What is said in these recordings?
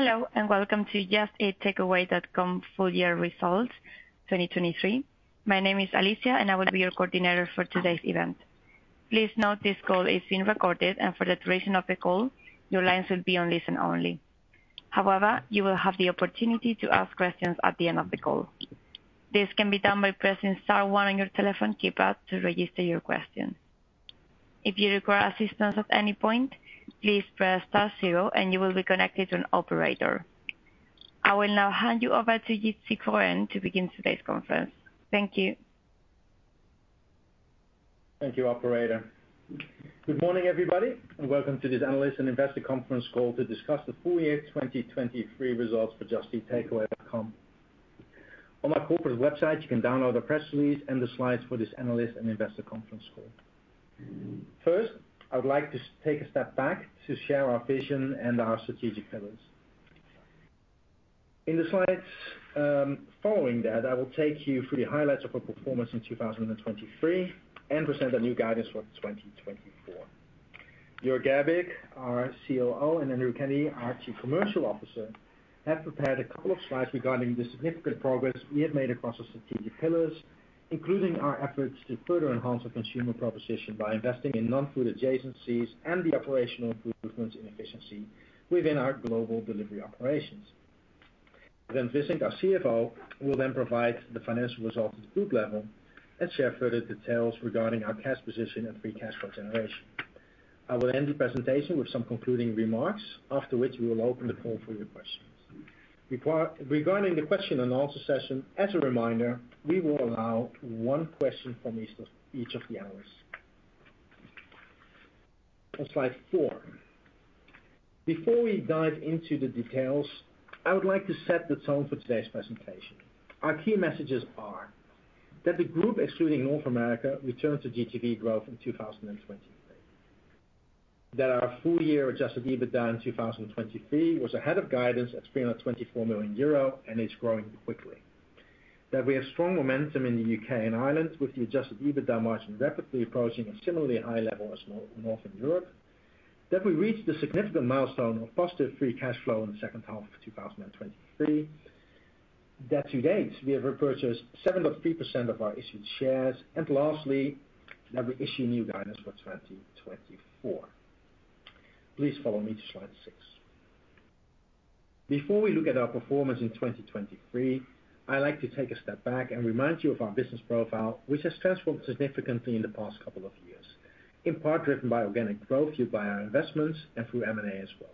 Hello, and welcome to Just Eat Takeaway.com full year results 2023. My name is Alicia, and I will be your coordinator for today's event. Please note this call is being recorded, and for the duration of the call, your lines will be on listen only. However, you will have the opportunity to ask questions at the end of the call. This can be done by pressing star one on your telephone keypad to register your question. If you require assistance at any point, please press star zero and you will be connected to an operator. I will now hand you over to Jitse Groen to begin today's conference. Thank you. Thank you, operator. Good morning, everybody, and welcome to this Analyst and Investor Conference Call to discuss the full year 2023 results for Just Eat Takeaway.com. On our corporate website, you can download the press release and the slides for this Analyst and Investor Conference Call. First, I would like to take a step back to share our vision and our strategic pillars. In the slides, following that, I will take you through the highlights of our performance in 2023 and present a new guidance for 2024. Jörg Gerbig, our COO, and Andrew Kenny, our Chief Commercial Officer, have prepared a couple of slides regarding the significant progress we have made across the strategic pillars, including our efforts to further enhance the consumer proposition by investing in non-food adjacencies and the operational improvements in efficiency within our global delivery operations. Brent Wissink, our CFO, will then provide the financial results at the group level and share further details regarding our cash position and free cash flow generation. I will end the presentation with some concluding remarks, after which we will open the call for your questions. Regarding the question and answer session, as a reminder, we will allow one question from each of the analysts. On slide 4. Before we dive into the details, I would like to set the tone for today's presentation. Our key messages are: that the group, excluding North America, returned to GTV growth in 2023. That our full year Adjusted EBITDA in 2023 was ahead of guidance at 324 million euro and is growing quickly. That we have strong momentum in the UK and Ireland, with the Adjusted EBITDA margin rapidly approaching a similarly high level as Northern Europe. That we reached a significant milestone of positive free cash flow in the second half of 2023. That to date, we have repurchased 7.3% of our issued shares. And lastly, that we issue new guidance for 2024. Please follow me to slide 6. Before we look at our performance in 2023, I'd like to take a step back and remind you of our business profile, which has transformed significantly in the past couple of years, in part driven by organic growth, fueled by our investments and through M&A as well.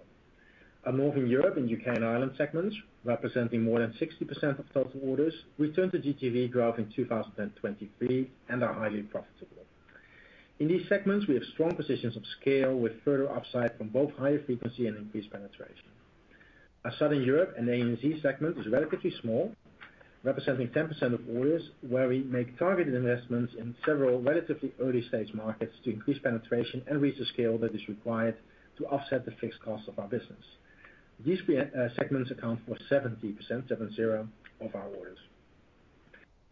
Our Northern Europe and UK and Ireland segments, representing more than 60% of total orders, returned to GTV growth in 2023 and are highly profitable. In these segments, we have strong positions of scale, with further upside from both higher frequency and increased penetration. Our Southern Europe and ANZ segment is relatively small, representing 10% of orders, where we make targeted investments in several relatively early stage markets to increase penetration and reach the scale that is required to offset the fixed costs of our business. These three segments account for 70%, 70, of our orders.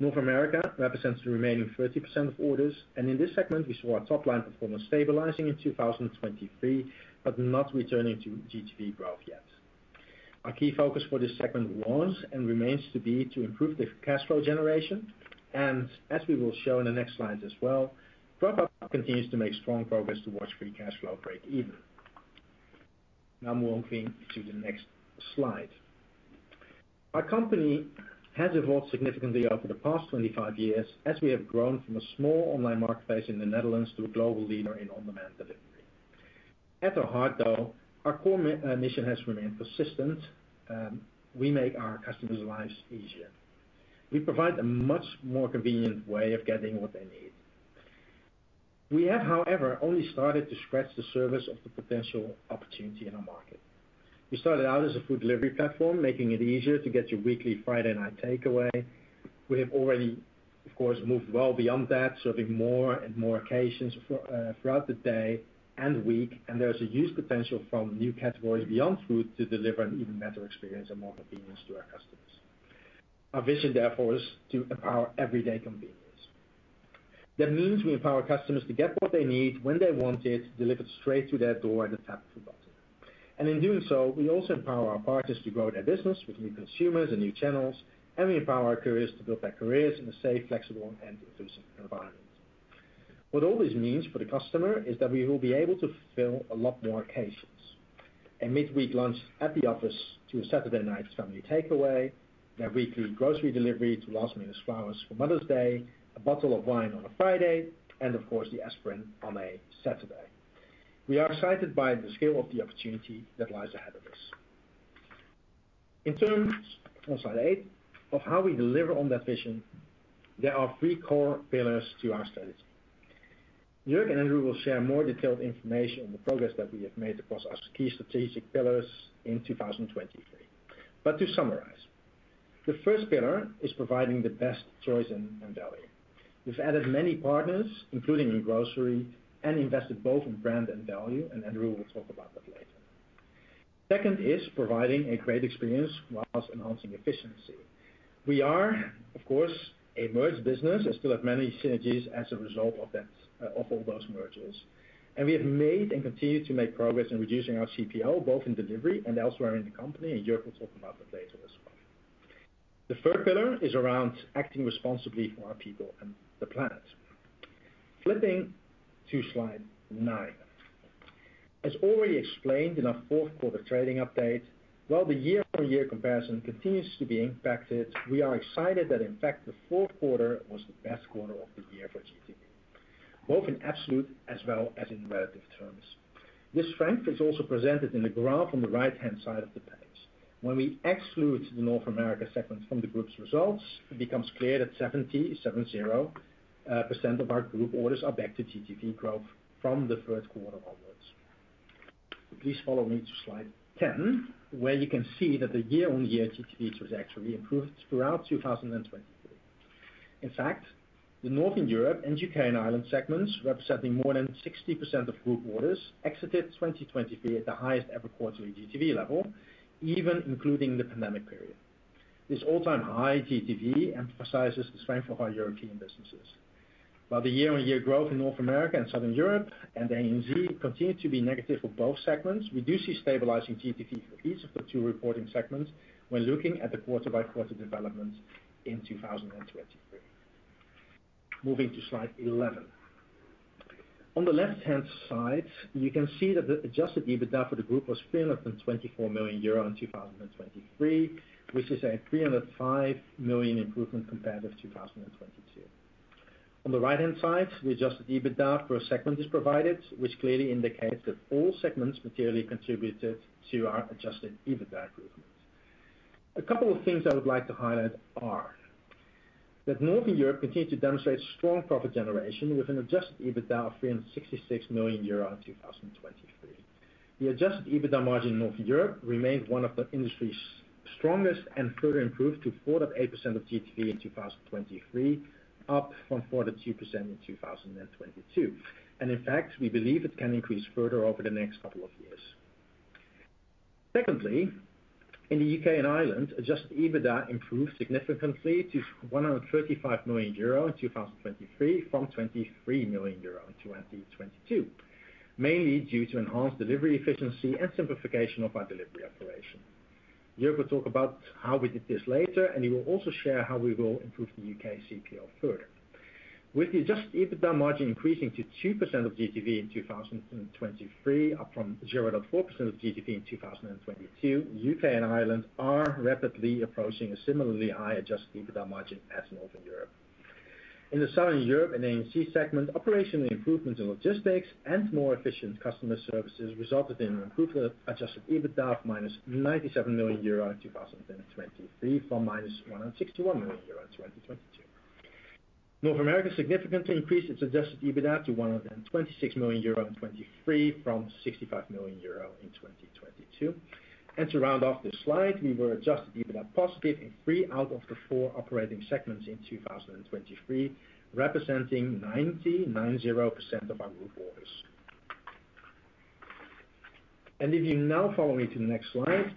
North America represents the remaining 30% of orders, and in this segment, we saw our top line performance stabilizing in 2023, but not returning to GTV growth yet. Our key focus for this segment was, and remains to be, to improve the cash flow generation, and as we will show in the next slides as well, Grubhub continues to make strong progress towards free cash flow break even. Now moving to the next slide. Our company has evolved significantly over the past 25 years as we have grown from a small online marketplace in the Netherlands to a global leader in on-demand delivery. At our heart, though, our core mission has remained persistent. We make our customers' lives easier. We provide a much more convenient way of getting what they need. We have, however, only started to scratch the surface of the potential opportunity in our market. We started out as a food delivery platform, making it easier to get your weekly Friday night takeaway. We have already, of course, moved well beyond that, serving more and more occasions throughout the day and week, and there is a huge potential from new categories beyond food to deliver an even better experience and more convenience to our customers. Our vision, therefore, is to empower everyday convenience. That means we empower customers to get what they need, when they want it, delivered straight to their door at the tap of a button. And in doing so, we also empower our partners to grow their business with new consumers and new channels, and we empower our couriers to build their careers in a safe, flexible, and efficient environment. What all this means for the customer is that we will be able to fulfill a lot more occasions. A midweek lunch at the office to a Saturday night family takeaway, their weekly grocery delivery to last-minute flowers for Mother's Day, a bottle of wine on a Friday, and of course, the aspirin on a Saturday. We are excited by the scale of the opportunity that lies ahead of us. In terms, on slide 8, of how we deliver on that vision, there are three core pillars to our strategy. Jörg and Andrew will share more detailed information on the progress that we have made across our key strategic pillars in 2023. But to summarize, the first pillar is providing the best choice and value. We've added many partners, including in grocery, and invested both in brand and value, and Andrew will talk about that later. Second is providing a great experience whilst enhancing efficiency.... We are, of course, a merged business and still have many synergies as a result of that, of all those mergers. And we have made and continue to make progress in reducing our CPO both in delivery and elsewhere in the company, and Jörg will talk about that later as well. The third pillar is around acting responsibly for our people and the planet. Flipping to slide nine. As already explained in our fourth quarter trading update, while the year-on-year comparison continues to be impacted, we are excited that, in fact, the fourth quarter was the best quarter of the year for GTV, both in absolute as well as in relative terms. This strength is also presented in the graph on the right-hand side of the page. When we exclude the North America segment from the group's results, it becomes clear that 77% of our group orders are back to GTV growth from the first quarter onwards. Please follow me to slide 10, where you can see that the year-on-year GTV trajectory improved throughout 2023. In fact, the Northern Europe and UK and Ireland segments, representing more than 60% of group orders, exited 2023 at the highest ever quarterly GTV level, even including the pandemic period. This all-time high GTV emphasizes the strength of our European businesses. While the year-on-year growth in North America and Southern Europe and the ANZ continued to be negative for both segments, we do see stabilizing GTV for each of the two reporting segments when looking at the quarter-by-quarter development in 2023. Moving to slide 11. On the left-hand side, you can see that the Adjusted EBITDA for the group was 324 million euro in 2023, which is a 305 million improvement compared with 2022. On the right-hand side, the Adjusted EBITDA per segment is provided, which clearly indicates that all segments materially contributed to our Adjusted EBITDA improvement. A couple of things I would like to highlight are that Northern Europe continued to demonstrate strong profit generation, with an Adjusted EBITDA of 366 million euro in 2023. The Adjusted EBITDA margin in Northern Europe remained one of the industry's strongest and further improved to 4.8% of GTV in 2023, up from 4.2% in 2022. And in fact, we believe it can increase further over the next couple of years. Secondly, in the UK and Ireland, Adjusted EBITDA improved significantly to 135 million euro in 2023, from 23 million euro in 2022, mainly due to enhanced delivery efficiency and simplification of our delivery operation. Jörg will talk about how we did this later, and he will also share how we will improve the UK CPO further. With the Adjusted EBITDA margin increasing to 2% of GTV in 2023, up from 0.4% of GTV in 2022, UK and Ireland are rapidly approaching a similarly high Adjusted EBITDA margin as Northern Europe. In the Southern Europe and ANZ segment, operational improvements in logistics and more efficient customer services resulted in an improvement of Adjusted EBITDA of -97 million euro in 2023, from -161 million euro in 2022. North America significantly increased its Adjusted EBITDA to 126 million euro in 2023, from 65 million euro in 2022. And to round off this slide, we were Adjusted EBITDA positive in 3 out of the 4 operating segments in 2023, representing 90% of our group orders. And if you now follow me to the next slide,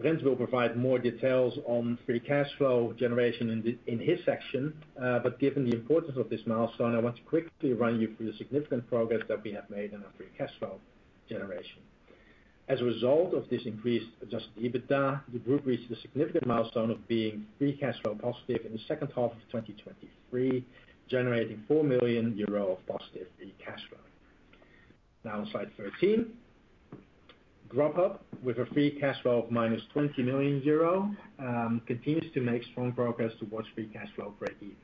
Brent will provide more details on free cash flow generation in his section. But given the importance of this milestone, I want to quickly run you through the significant progress that we have made in our free cash flow generation. As a result of this increased Adjusted EBITDA, the group reached a significant milestone of being free cash flow positive in the second half of 2023, generating 4 million euro of positive free cash flow. Now on slide 13, Grubhub, with a free cash flow of -20 million euro, continues to make strong progress towards free cash flow break even.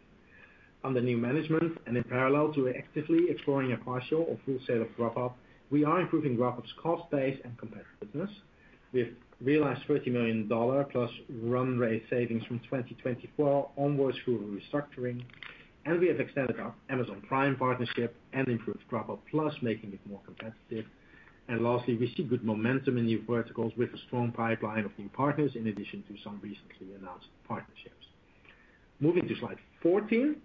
Under new management, and in parallel to actively exploring a partial or full sale of Grubhub, we are improving Grubhub's cost base and competitiveness. We've realized $30 million+ run rate savings from 2024 onwards through a restructuring, and we have extended our Amazon Prime partnership and improved Grubhub+, making it more competitive. And lastly, we see good momentum in new verticals with a strong pipeline of new partners, in addition to some recently announced partnerships. Moving to slide 14,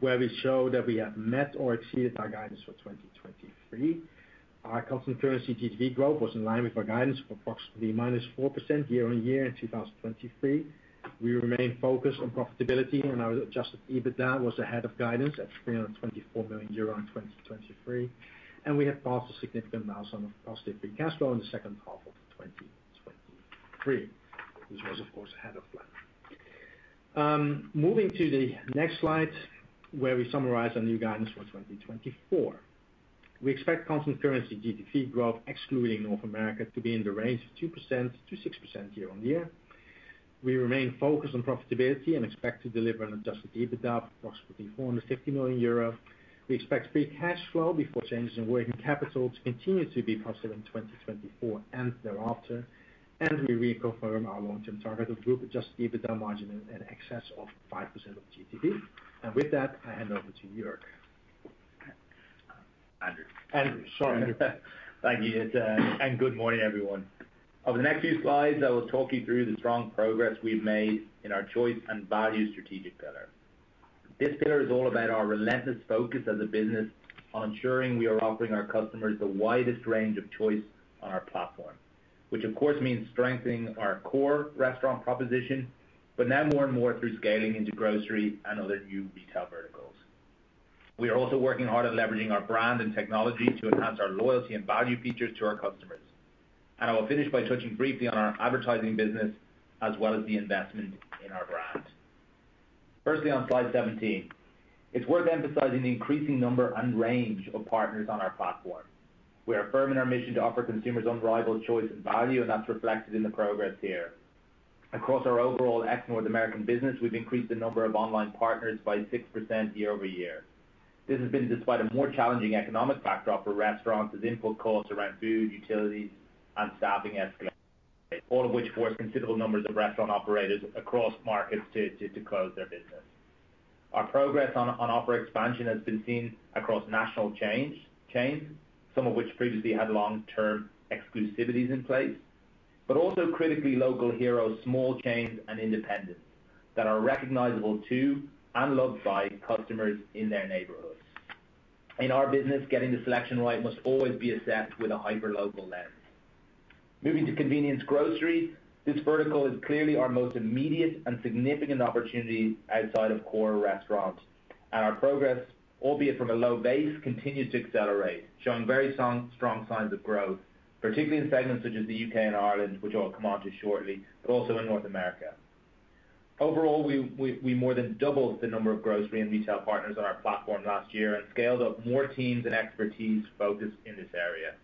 where we show that we have met or exceeded our guidance for 2023. Our constant currency GTV growth was in line with our guidance of approximately -4% year-on-year in 2023. We remain focused on profitability, and our adjusted EBITDA was ahead of guidance at 324 million euro in 2023, and we have passed a significant milestone of positive free cash flow in the second half of 2023, which was, of course, ahead of plan. Moving to the next slide, where we summarize our new guidance for 2024. We expect constant currency GTV growth, excluding North America, to be in the range of 2%-6% year-on-year. We remain focused on profitability and expect to deliver an adjusted EBITDA of approximately 450 million euro. We expect free cash flow before changes in working capital to continue to be positive in 2024 and thereafter, and we reconfirm our long-term target of group adjusted EBITDA margin in excess of 5% of GTV. And with that, I hand over to Jörg. Andrew. Andrew, sorry. Thank you, and, and good morning, everyone. Over the next few slides, I will talk you through the strong progress we've made in our choice and value strategic pillar.... This pillar is all about our relentless focus as a business on ensuring we are offering our customers the widest range of choice on our platform, which, of course, means strengthening our core restaurant proposition, but now more and more through scaling into grocery and other new retail verticals. We are also working hard at leveraging our brand and technology to enhance our loyalty and value features to our customers. And I will finish by touching briefly on our advertising business, as well as the investment in our brand. Firstly, on slide 17, it's worth emphasizing the increasing number and range of partners on our platform. We are firm in our mission to offer consumers unrivaled choice and value, and that's reflected in the progress here. Across our overall ex-North American business, we've increased the number of online partners by 6% year-over-year. This has been despite a more challenging economic backdrop for restaurants, as input costs around food, utilities, and staffing escalated, all of which forced considerable numbers of restaurant operators across markets to close their business. Our progress on offer expansion has been seen across national chains, some of which previously had long-term exclusivities in place, but also critically, local heroes, small chains, and independents that are recognizable to and loved by customers in their neighborhoods. In our business, getting the selection right must always be assessed with a hyper-local lens. Moving to convenience grocery, this vertical is clearly our most immediate and significant opportunity outside of core restaurants, and our progress, albeit from a low base, continues to accelerate, showing very strong signs of growth, particularly in segments such as the UK and Ireland, which I'll come onto shortly, but also in North America. Overall, we more than doubled the number of grocery and retail partners on our platform last year and scaled up more teams and expertise focused in this area.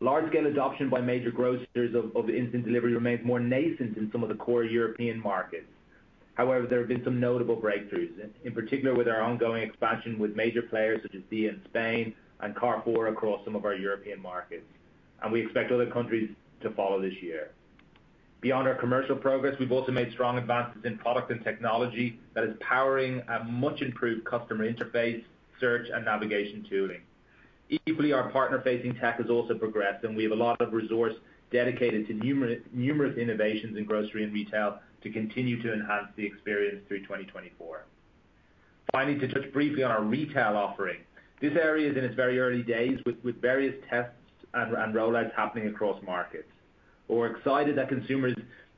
Large-scale adoption by major grocers of instant delivery remains more nascent in some of the core European markets. However, there have been some notable breakthroughs, in particular, with our ongoing expansion with major players such as Dia in Spain and Carrefour across some of our European markets, and we expect other countries to follow this year. Beyond our commercial progress, we've also made strong advances in product and technology that is powering a much-improved customer interface, search, and navigation tooling. Equally, our partner-facing tech has also progressed, and we have a lot of resource dedicated to numerous innovations in grocery and retail to continue to enhance the experience through 2024. Finally, to touch briefly on our retail offering. This area is in its very early days with various tests and rollouts happening across markets, but we're excited that consumers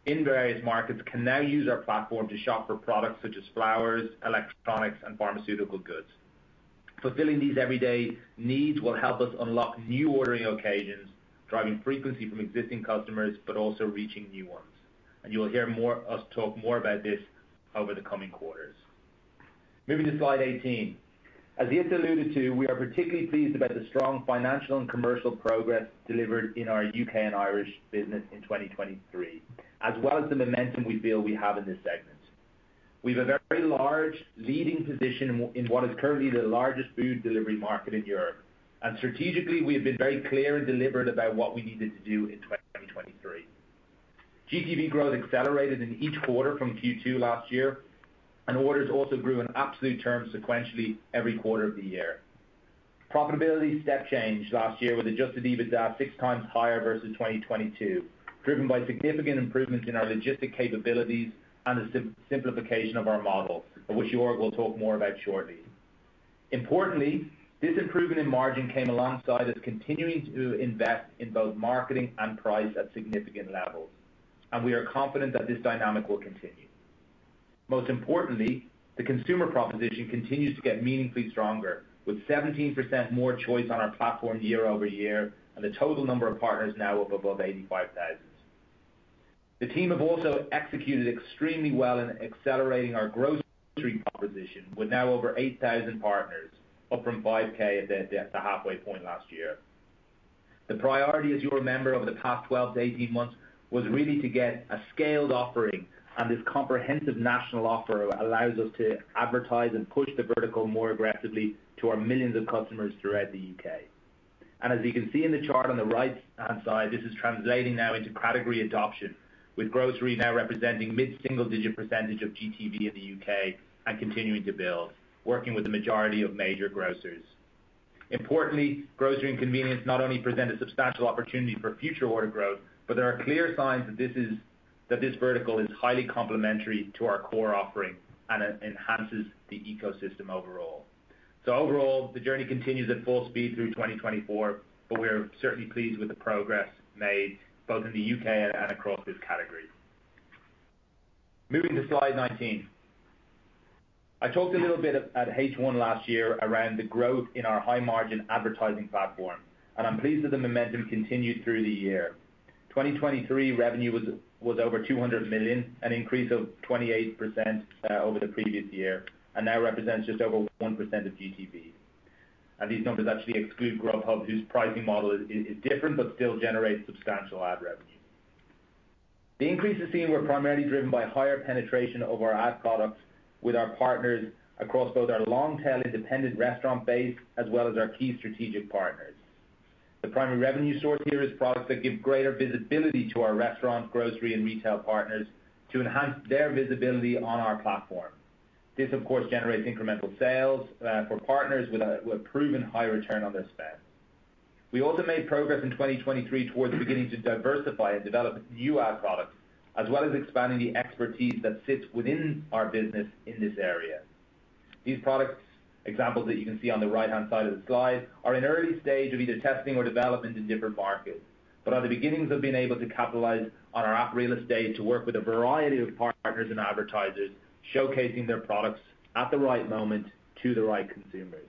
in various markets can now use our platform to shop for products such as flowers, electronics, and pharmaceutical goods. Fulfilling these everyday needs will help us unlock new ordering occasions, driving frequency from existing customers, but also reaching new ones, and you will hear more us talk more about this over the coming quarters. Moving to slide 18. As I just alluded to, we are particularly pleased about the strong financial and commercial progress delivered in our U.K. and Irish business in 2023, as well as the momentum we feel we have in this segment. We have a very large leading position in in what is currently the largest food delivery market in Europe, and strategically, we have been very clear and deliberate about what we needed to do in 2023. GTV growth accelerated in each quarter from Q2 last year, and orders also grew in absolute terms sequentially every quarter of the year. Profitability step changed last year with Adjusted EBITDA six times higher versus 2022, driven by significant improvements in our logistic capabilities and the simplification of our model, which Jörg will talk more about shortly. Importantly, this improvement in margin came alongside us continuing to invest in both marketing and price at significant levels, and we are confident that this dynamic will continue. Most importantly, the consumer proposition continues to get meaningfully stronger, with 17% more choice on our platform year-over-year, and the total number of partners now up above 85,000. The team have also executed extremely well in accelerating our grocery proposition, with now over 8,000 partners, up from 5,000 at the halfway point last year. The priority, as you remember, over the past 12-18 months, was really to get a scaled offering, and this comprehensive national offer allows us to advertise and push the vertical more aggressively to our millions of customers throughout the UK. And as you can see in the chart on the right-hand side, this is translating now into category adoption, with grocery now representing mid-single-digit % of GTV in the UK and continuing to build, working with the majority of major grocers. Importantly, grocery and convenience not only present a substantial opportunity for future order growth, but there are clear signs that this vertical is highly complementary to our core offering and enhances the ecosystem overall. So overall, the journey continues at full speed through 2024, but we are certainly pleased with the progress made both in the UK and across this category. Moving to slide 19. I talked a little bit at H1 last year around the growth in our high-margin advertising platform, and I'm pleased that the momentum continued through the year. 2023 revenue was over 200 million, an increase of 28% over the previous year, and now represents just over 1% of GTV. And these numbers actually exclude Grubhub, whose pricing model is different, but still generates substantial ad revenue. The increases seen were primarily driven by higher penetration of our ad products with our partners across both our long-tail independent restaurant base, as well as our key strategic partners. The primary revenue source here is products that give greater visibility to our restaurant, grocery, and retail partners to enhance their visibility on our platform. This, of course, generates incremental sales for partners with proven high return on their spend. We also made progress in 2023 towards beginning to diversify and develop new ad products, as well as expanding the expertise that sits within our business in this area. These products, examples that you can see on the right-hand side of the slide, are in early stage of either testing or development in different markets, but are the beginnings of being able to capitalize on our app real estate to work with a variety of partners and advertisers, showcasing their products at the right moment to the right consumers.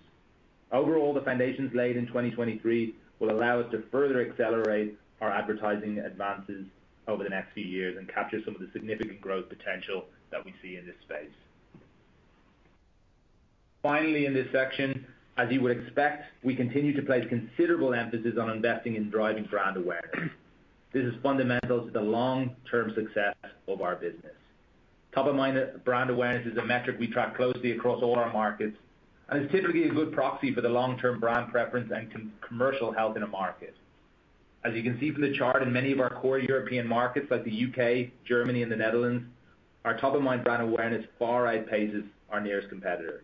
Overall, the foundations laid in 2023 will allow us to further accelerate our advertising advances over the next few years and capture some of the significant growth potential that we see in this space. Finally, in this section, as you would expect, we continue to place considerable emphasis on investing in driving brand awareness. This is fundamental to the long-term success of our business. Top-of-mind brand awareness is a metric we track closely across all our markets, and it's typically a good proxy for the long-term brand preference and commercial health in a market. As you can see from the chart, in many of our core European markets, like the UK, Germany, and the Netherlands, our top-of-mind brand awareness far outpaces our nearest competitor.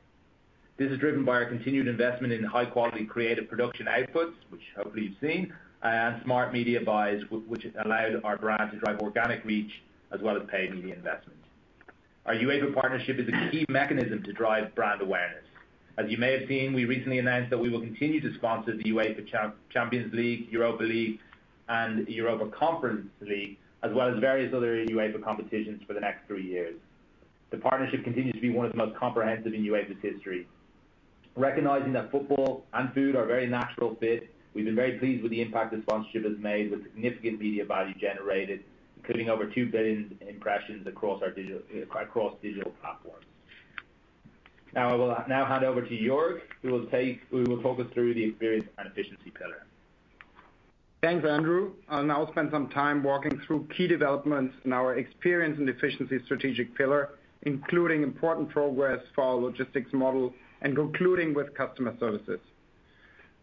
This is driven by our continued investment in high-quality creative production outputs, which hopefully you've seen, and smart media buys, which has allowed our brand to drive organic reach as well as paid media investment. Our UEFA partnership is a key mechanism to drive brand awareness. As you may have seen, we recently announced that we will continue to sponsor the UEFA Champions League, Europa League, and Europa Conference League, as well as various other UEFA competitions for the next three years. The partnership continues to be one of the most comprehensive in UEFA's history. Recognizing that football and food are a very natural fit, we've been very pleased with the impact the sponsorship has made, with significant media value generated, including over 2 billion impressions across digital platforms. Now I will hand over to Jörg, who will talk us through the experience and efficiency pillar. Thanks, Andrew. I'll now spend some time walking through key developments in our experience and efficiency strategic pillar, including important progress for our logistics model and concluding with customer services.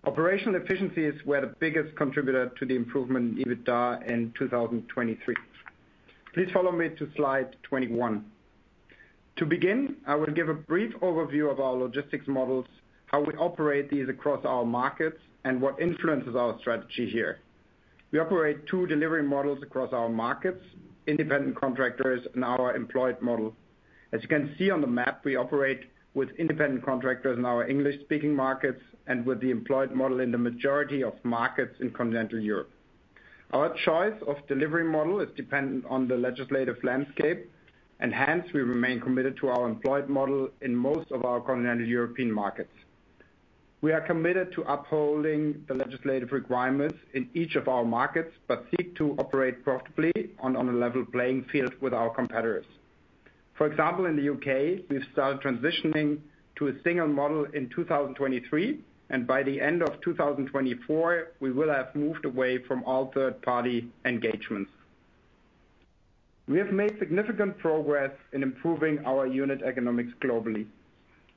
Operational efficiency is where the biggest contributor to the improvement in EBITDA in 2023. Please follow me to slide 21. To begin, I will give a brief overview of our logistics models, how we operate these across our markets, and what influences our strategy here. We operate two delivery models across our markets, independent contractors and our employed model. As you can see on the map, we operate with independent contractors in our English-speaking markets and with the employed model in the majority of markets in continental Europe. Our choice of delivery model is dependent on the legislative landscape, and hence we remain committed to our employed model in most of our continental European markets. We are committed to upholding the legislative requirements in each of our markets, but seek to operate profitably on a level playing field with our competitors. For example, in the U.K., we've started transitioning to a single model in 2023, and by the end of 2024, we will have moved away from all third-party engagements. We have made significant progress in improving our unit economics globally.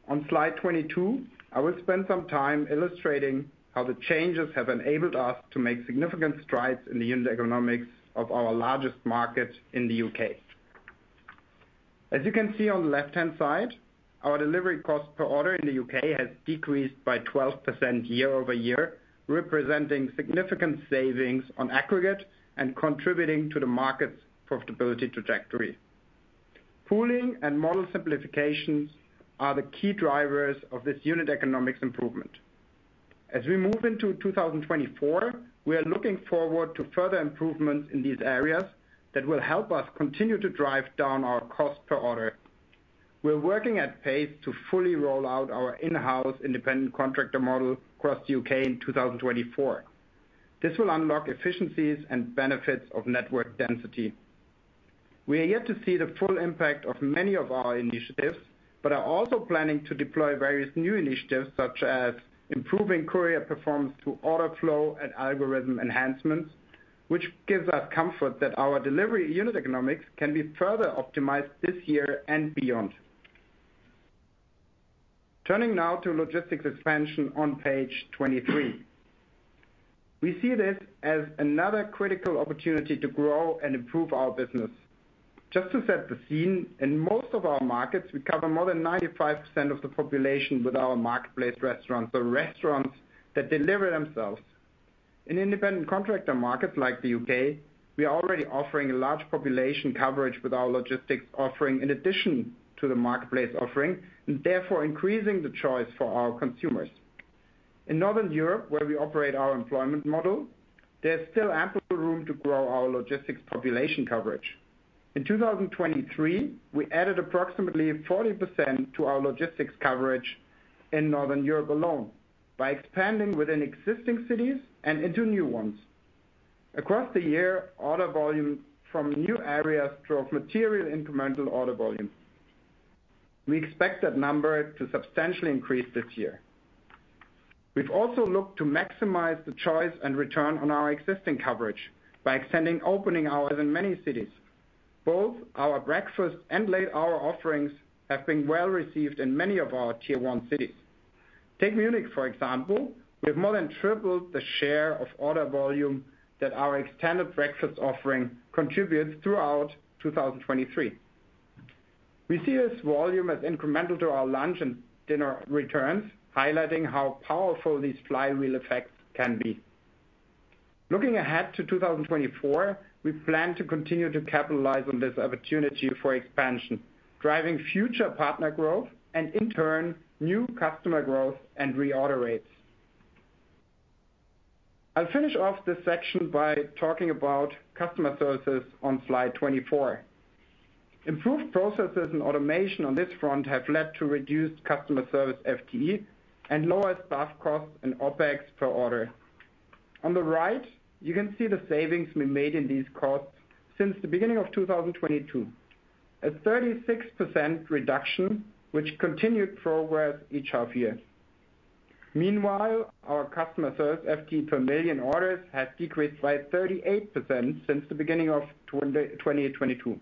On slide 22, I will spend some time illustrating how the changes have enabled us to make significant strides in the unit economics of our largest market in the U.K. As you can see on the left-hand side, our delivery cost per order in the U.K. has decreased by 12% year-over-year, representing significant savings on aggregate and contributing to the market's profitability trajectory. Pooling and model simplifications are the key drivers of this unit economics improvement. As we move into 2024, we are looking forward to further improvements in these areas that will help us continue to drive down our cost per order. We're working at pace to fully roll out our in-house independent contractor model across the UK in 2024. This will unlock efficiencies and benefits of network density. We are yet to see the full impact of many of our initiatives, but are also planning to deploy various new initiatives, such as improving courier performance through order flow and algorithm enhancements, which gives us comfort that our delivery unit economics can be further optimized this year and beyond. Turning now to logistics expansion on page 23. We see this as another critical opportunity to grow and improve our business. Just to set the scene, in most of our markets, we cover more than 95% of the population with our marketplace restaurants, so restaurants that deliver themselves. In independent contractor markets like the UK, we are already offering a large population coverage with our logistics offering in addition to the marketplace offering, and therefore increasing the choice for our consumers. In Northern Europe, where we operate our employment model, there's still ample room to grow our logistics population coverage. In 2023, we added approximately 40% to our logistics coverage in Northern Europe alone by expanding within existing cities and into new ones. Across the year, order volume from new areas drove material incremental order volume. We expect that number to substantially increase this year. We've also looked to maximize the choice and return on our existing coverage by extending opening hours in many cities. Both our breakfast and late-hour offerings have been well received in many of our tier one cities. Take Munich, for example. We have more than tripled the share of order volume that our extended breakfast offering contributes throughout 2023. We see this volume as incremental to our lunch and dinner returns, highlighting how powerful these flywheel effects can be. Looking ahead to 2024, we plan to continue to capitalize on this opportunity for expansion, driving future partner growth and in turn, new customer growth and reorder rates. I'll finish off this section by talking about customer services on slide 24. Improved processes and automation on this front have led to reduced customer service FTE and lower staff costs and OpEx per order. On the right, you can see the savings we made in these costs since the beginning of 2022. A 36% reduction, which continued progress each half year. Meanwhile, our customer service FTE per million orders has decreased by 38% since the beginning of 2022.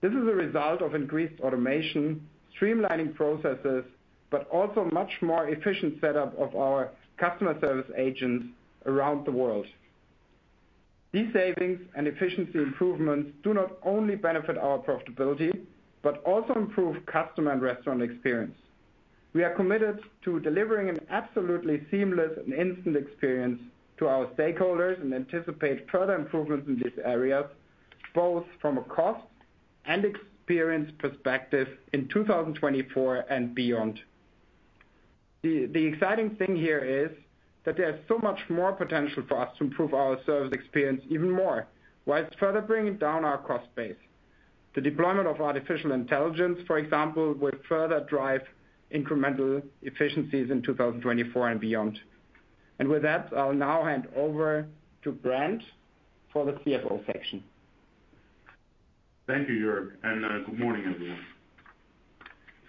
This is a result of increased automation, streamlining processes, but also much more efficient setup of our customer service agents around the world. These savings and efficiency improvements do not only benefit our profitability, but also improve customer and restaurant experience. We are committed to delivering an absolutely seamless and instant experience to our stakeholders, and anticipate further improvements in these areas, both from a cost and experience perspective in 2024 and beyond. The exciting thing here is that there's so much more potential for us to improve our service experience even more, while further bringing down our cost base. The deployment of artificial intelligence, for example, will further drive incremental efficiencies in 2024 and beyond. With that, I'll now hand over to Brent for the CFO section. Thank you, Jörg, and good morning, everyone.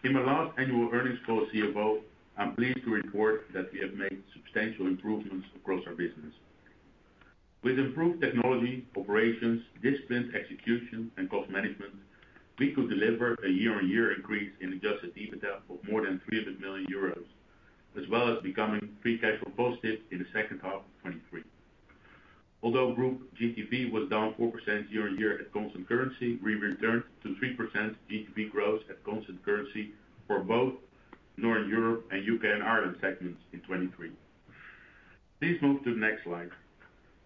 In my last annual earnings call as CFO, I'm pleased to report that we have made substantial improvements across our business. With improved technology, operations, disciplined execution, and cost management, we could deliver a year-on-year increase in adjusted EBITDA of more than 300 million euros, as well as becoming free cash flow positive in the second half of 2023. Although group GTV was down 4% year-on-year at constant currency, we returned to 3% GTV growth at constant currency for both Northern Europe and UK and Ireland segments in 2023. Please move to the next slide.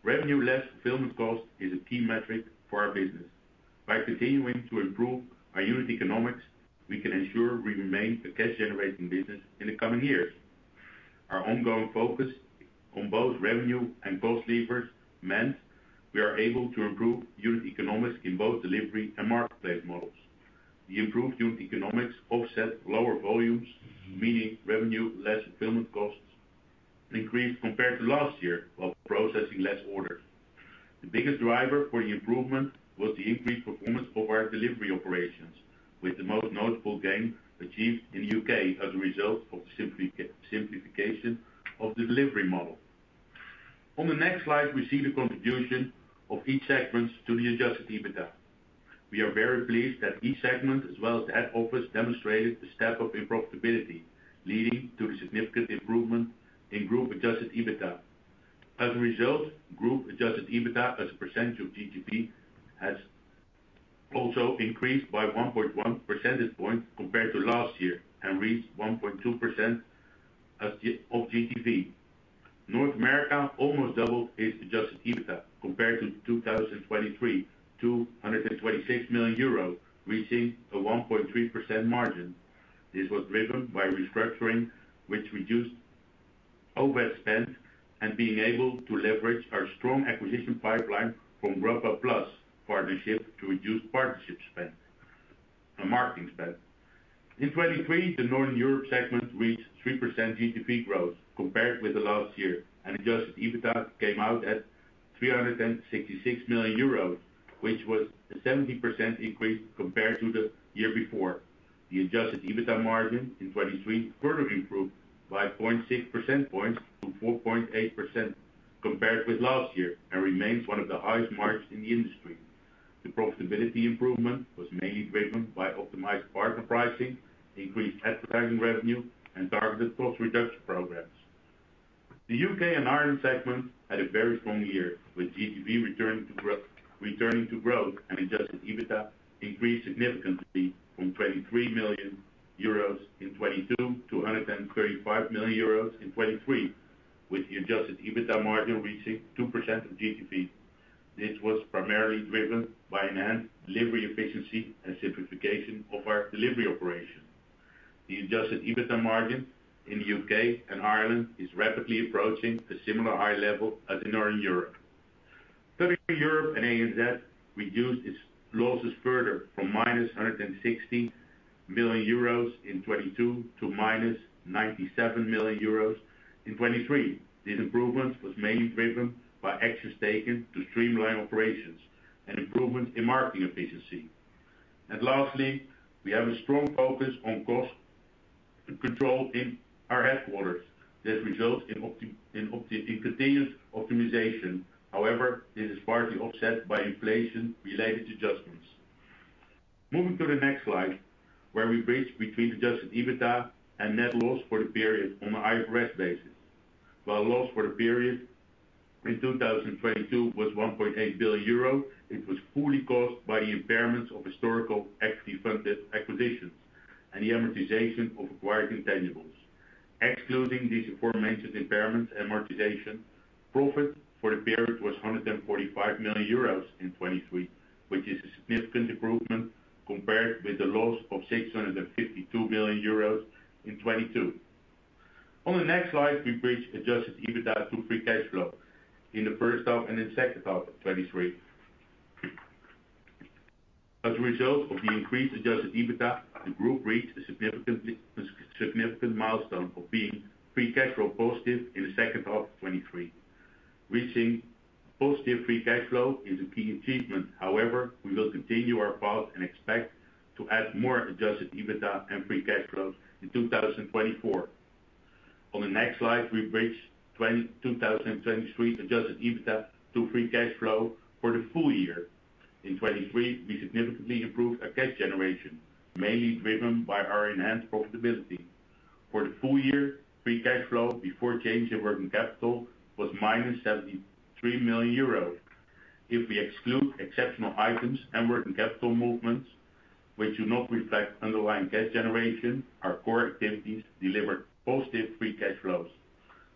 Revenue less fulfillment cost is a key metric for our business. By continuing to improve our unit economics, we can ensure we remain a cash-generating business in the coming years. Our ongoing focus on both revenue and cost levers meant we are able to improve unit economics in both delivery and marketplace models. The improved unit economics offset lower volumes, meaning revenue less fulfillment costs increased compared to last year, while processing less orders. The biggest driver for the improvement was the increased performance of our delivery operations, with the most notable gain achieved in the U.K. as a result of the simplification of the delivery model. On the next slide, we see the contribution of each segment to the Adjusted EBITDA. We are very pleased that each segment, as well as the head office, demonstrated a step-up in profitability, leading to the significant improvement in group Adjusted EBITDA. As a result, group adjusted EBITDA as a percentage of GTV has also increased by 1.1 percentage points compared to last year, and reached 1.2% of GTV. North America almost doubled its adjusted EBITDA compared to 2023, to 126 million euro, reaching a 1.3% margin. This was driven by restructuring, which reduced overspend and being able to leverage our strong acquisition pipeline from Grubhub+ partnership to reduce partnership spend and marketing spend. In 2023, the Northern Europe segment reached 3% GTV growth compared with the last year, and adjusted EBITDA came out at 366 million euros, which was a 70% increase compared to the year before. The adjusted EBITDA margin in 2023 further improved by 0.6 percentage points to 4.8% compared with last year, and remains one of the highest margins in the industry. The profitability improvement was mainly driven by optimized partner pricing, increased advertising revenue, and targeted cost reduction programs. The UK and Ireland segment had a very strong year, with GTV returning to growth, and adjusted EBITDA increased significantly from 23 million euros in 2022 to 135 million euros in 2023, with the adjusted EBITDA margin reaching 2% of GTV. This was primarily driven by enhanced delivery efficiency and simplification of our delivery operation. The adjusted EBITDA margin in the UK and Ireland is rapidly approaching a similar high level as in Northern Europe. Southern Europe and ANZ reduced its losses further from -160 million euros in 2022 to -97 million euros in 2023. This improvement was mainly driven by actions taken to streamline operations and improvement in marketing efficiency. And lastly, we have a strong focus on cost control in our headquarters that result in continuous optimization. However, this is partly offset by inflation-related adjustments. Moving to the next slide, where we bridge between adjusted EBITDA and net loss for the period on an IFRS basis. While loss for the period in 2022 was 1.8 billion euro. It was fully caused by the impairments of historical equity-funded acquisitions and the amortization of acquired intangibles. Excluding these aforementioned impairments, amortization, profit for the period was 145 million euros in 2023, which is a significant improvement compared with the loss of 652 million euros in 2022. On the next slide, we bridge Adjusted EBITDA to free cash flow in the first half and the second half of 2023. As a result of the increased Adjusted EBITDA, the group reached a significant milestone of being free cash flow positive in the second half of 2023. Reaching positive free cash flow is a key achievement, however, we will continue our path and expect to add more Adjusted EBITDA and free cash flows in 2024. On the next slide, we bridge 2023's Adjusted EBITDA to free cash flow for the full year. In 2023, we significantly improved our cash generation, mainly driven by our enhanced profitability. For the full year, free cash flow before change in working capital was -73 million euros. If we exclude exceptional items and working capital movements, which do not reflect underlying cash generation, our core activities delivered positive free cash flows.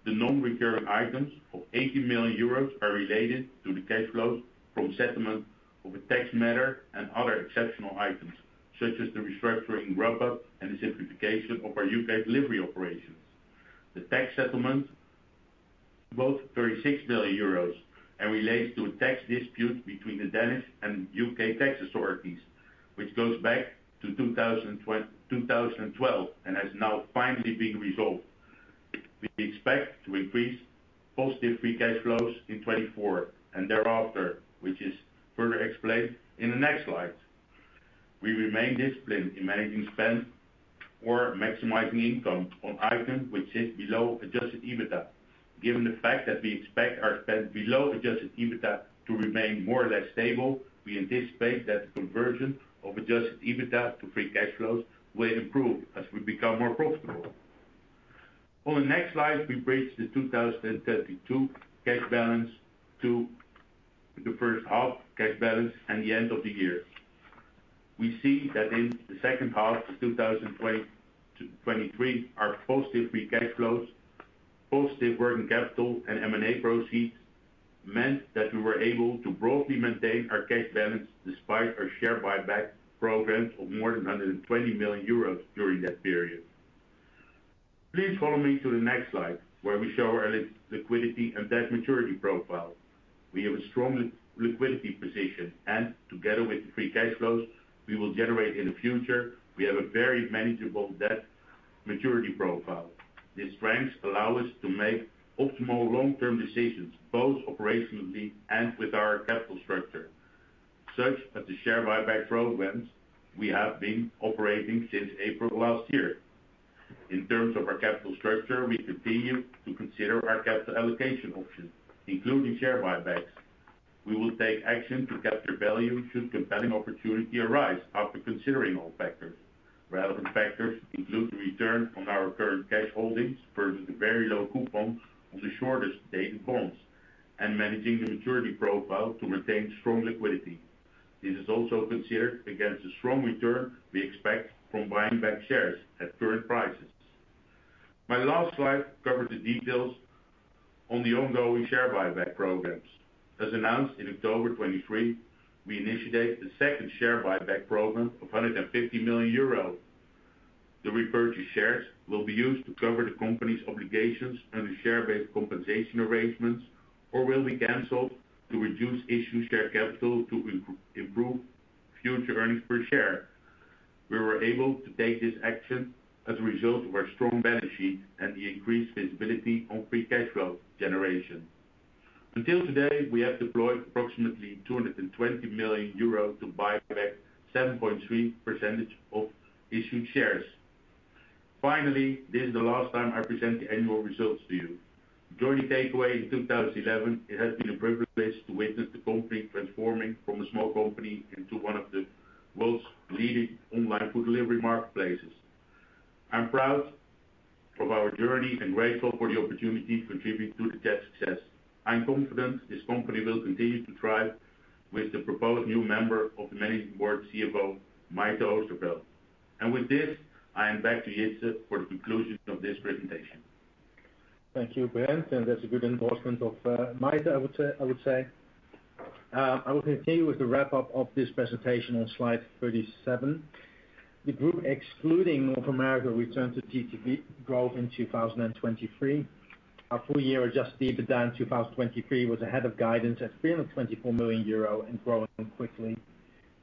The non-recurring items of 80 million euros are related to the cash flows from settlement of a tax matter and other exceptional items, such as the restructuring wrap-up and the simplification of our U.K. delivery operations. The tax settlement, worth 36 billion euros, and relates to a tax dispute between the Danish and U.K. tax authorities, which goes back to 2020, 2012, and has now finally been resolved. We expect to increase positive free cash flows in 2024 and thereafter, which is further explained in the next slide. We remain disciplined in managing spend or maximizing income on items which sit below Adjusted EBITDA. Given the fact that we expect our spend below Adjusted EBITDA to remain more or less stable, we anticipate that the conversion of Adjusted EBITDA to free cash flows will improve as we become more profitable. On the next slide, we bridge the 2032 cash balance to the first half cash balance and the end of the year. We see that in the second half of 2023, our positive free cash flows, positive working capital, and M&A proceeds meant that we were able to broadly maintain our cash balance despite our share buyback programs of more than 120 million euros during that period. Please follow me to the next slide, where we show our liquidity and debt maturity profile. We have a strong liquidity position, and together with the free cash flows we will generate in the future, we have a very manageable debt maturity profile. These strengths allow us to make optimal long-term decisions, both operationally and with our capital structure, such as the share buyback programs we have been operating since April of last year. In terms of our capital structure, we continue to consider our capital allocation options, including share buybacks. We will take action to capture value should compelling opportunity arise after considering all factors. Relevant factors include the return on our current cash holdings versus the very low coupon on the shortest dated bonds and managing the maturity profile to maintain strong liquidity. This is also considered against the strong return we expect from buying back shares at current prices. My last slide covers the details on the ongoing share buyback programs. As announced in October 2023, we initiated the second share buyback program of 150 million euros. The repurchased shares will be used to cover the company's obligations under share-based compensation arrangements, or will be canceled to reduce issued share capital to improve future earnings per share. We were able to take this action as a result of our strong balance sheet and the increased visibility on free cash flow generation. Until today, we have deployed approximately 220 million euros to buy back 7.3% of issued shares. Finally, this is the last time I present the annual results to you. Joining Takeaway in 2011, it has been a privilege to witness the company transforming from a small company into one of the world's leading online food delivery marketplaces. I'm proud of our journey and grateful for the opportunity to contribute to that success. I am confident this company will continue to thrive with the proposed new member of the management board, CFO, Mayte Oosterveld. With this, I am back to Jitse for the conclusion of this presentation. Thank you, Brent, and that's a good endorsement of, Mayte, I would say, I would say. I will continue with the wrap-up of this presentation on slide 37. The group, excluding North America, returned to GTV growth in 2023. Our full year Adjusted EBITDA in 2023 was ahead of guidance at 324 million euro and growing quickly.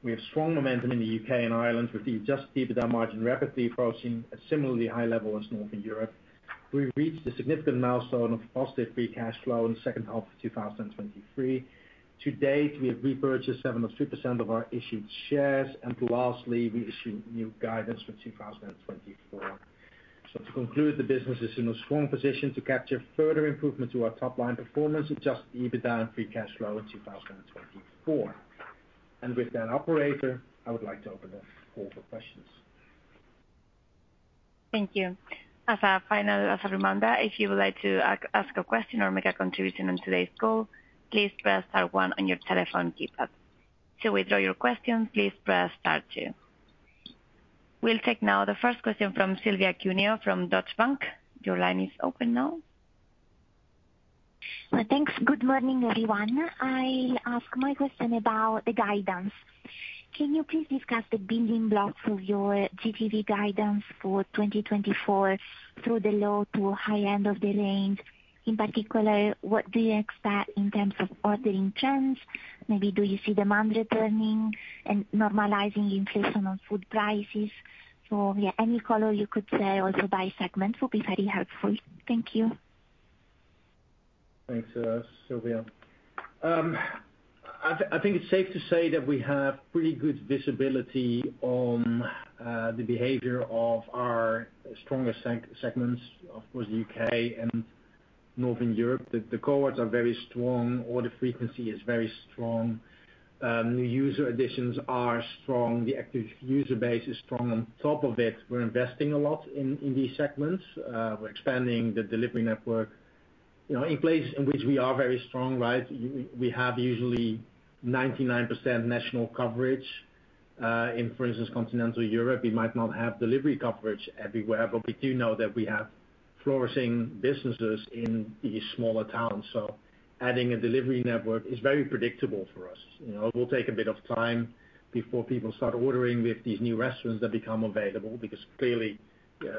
We have strong momentum in the UK and Ireland, with the Adjusted EBITDA margin rapidly approaching a similarly high level as Northern Europe. We reached a significant milestone of positive free cash flow in the second half of 2023. To date, we have repurchased 7.3% of our issued shares, and lastly, we issue new guidance for 2024. So to conclude, the business is in a strong position to capture further improvement to our top line performance, Adjusted EBITDA and free cash flow in 2024. With that, operator, I would like to open the floor for questions.... Thank you. As a final reminder, if you would like to ask a question or make a contribution on today's call, please press star one on your telephone keypad. To withdraw your question, please press star two. We'll take now the first question from Silvia Cuneo from Deutsche Bank. Your line is open now. Thanks. Good morning, everyone. I ask my question about the guidance. Can you please discuss the building blocks of your GTV guidance for 2024 through the low to high end of the range? In particular, what do you expect in terms of ordering trends? Maybe do you see demand returning and normalizing inflation on food prices? So, yeah, any color you could say also by segment will be very helpful. Thank you. Thanks, Silvia. I think it's safe to say that we have pretty good visibility on the behavior of our strongest segments, of course, UK and Northern Europe. The cohorts are very strong. Order frequency is very strong. New user additions are strong. The active user base is strong. On top of it, we're investing a lot in these segments. We're expanding the delivery network, you know, in places in which we are very strong, right? We have usually 99% national coverage, in, for instance, continental Europe. We might not have delivery coverage everywhere, but we do know that we have flourishing businesses in these smaller towns. So adding a delivery network is very predictable for us. You know, it will take a bit of time before people start ordering with these new restaurants that become available, because clearly,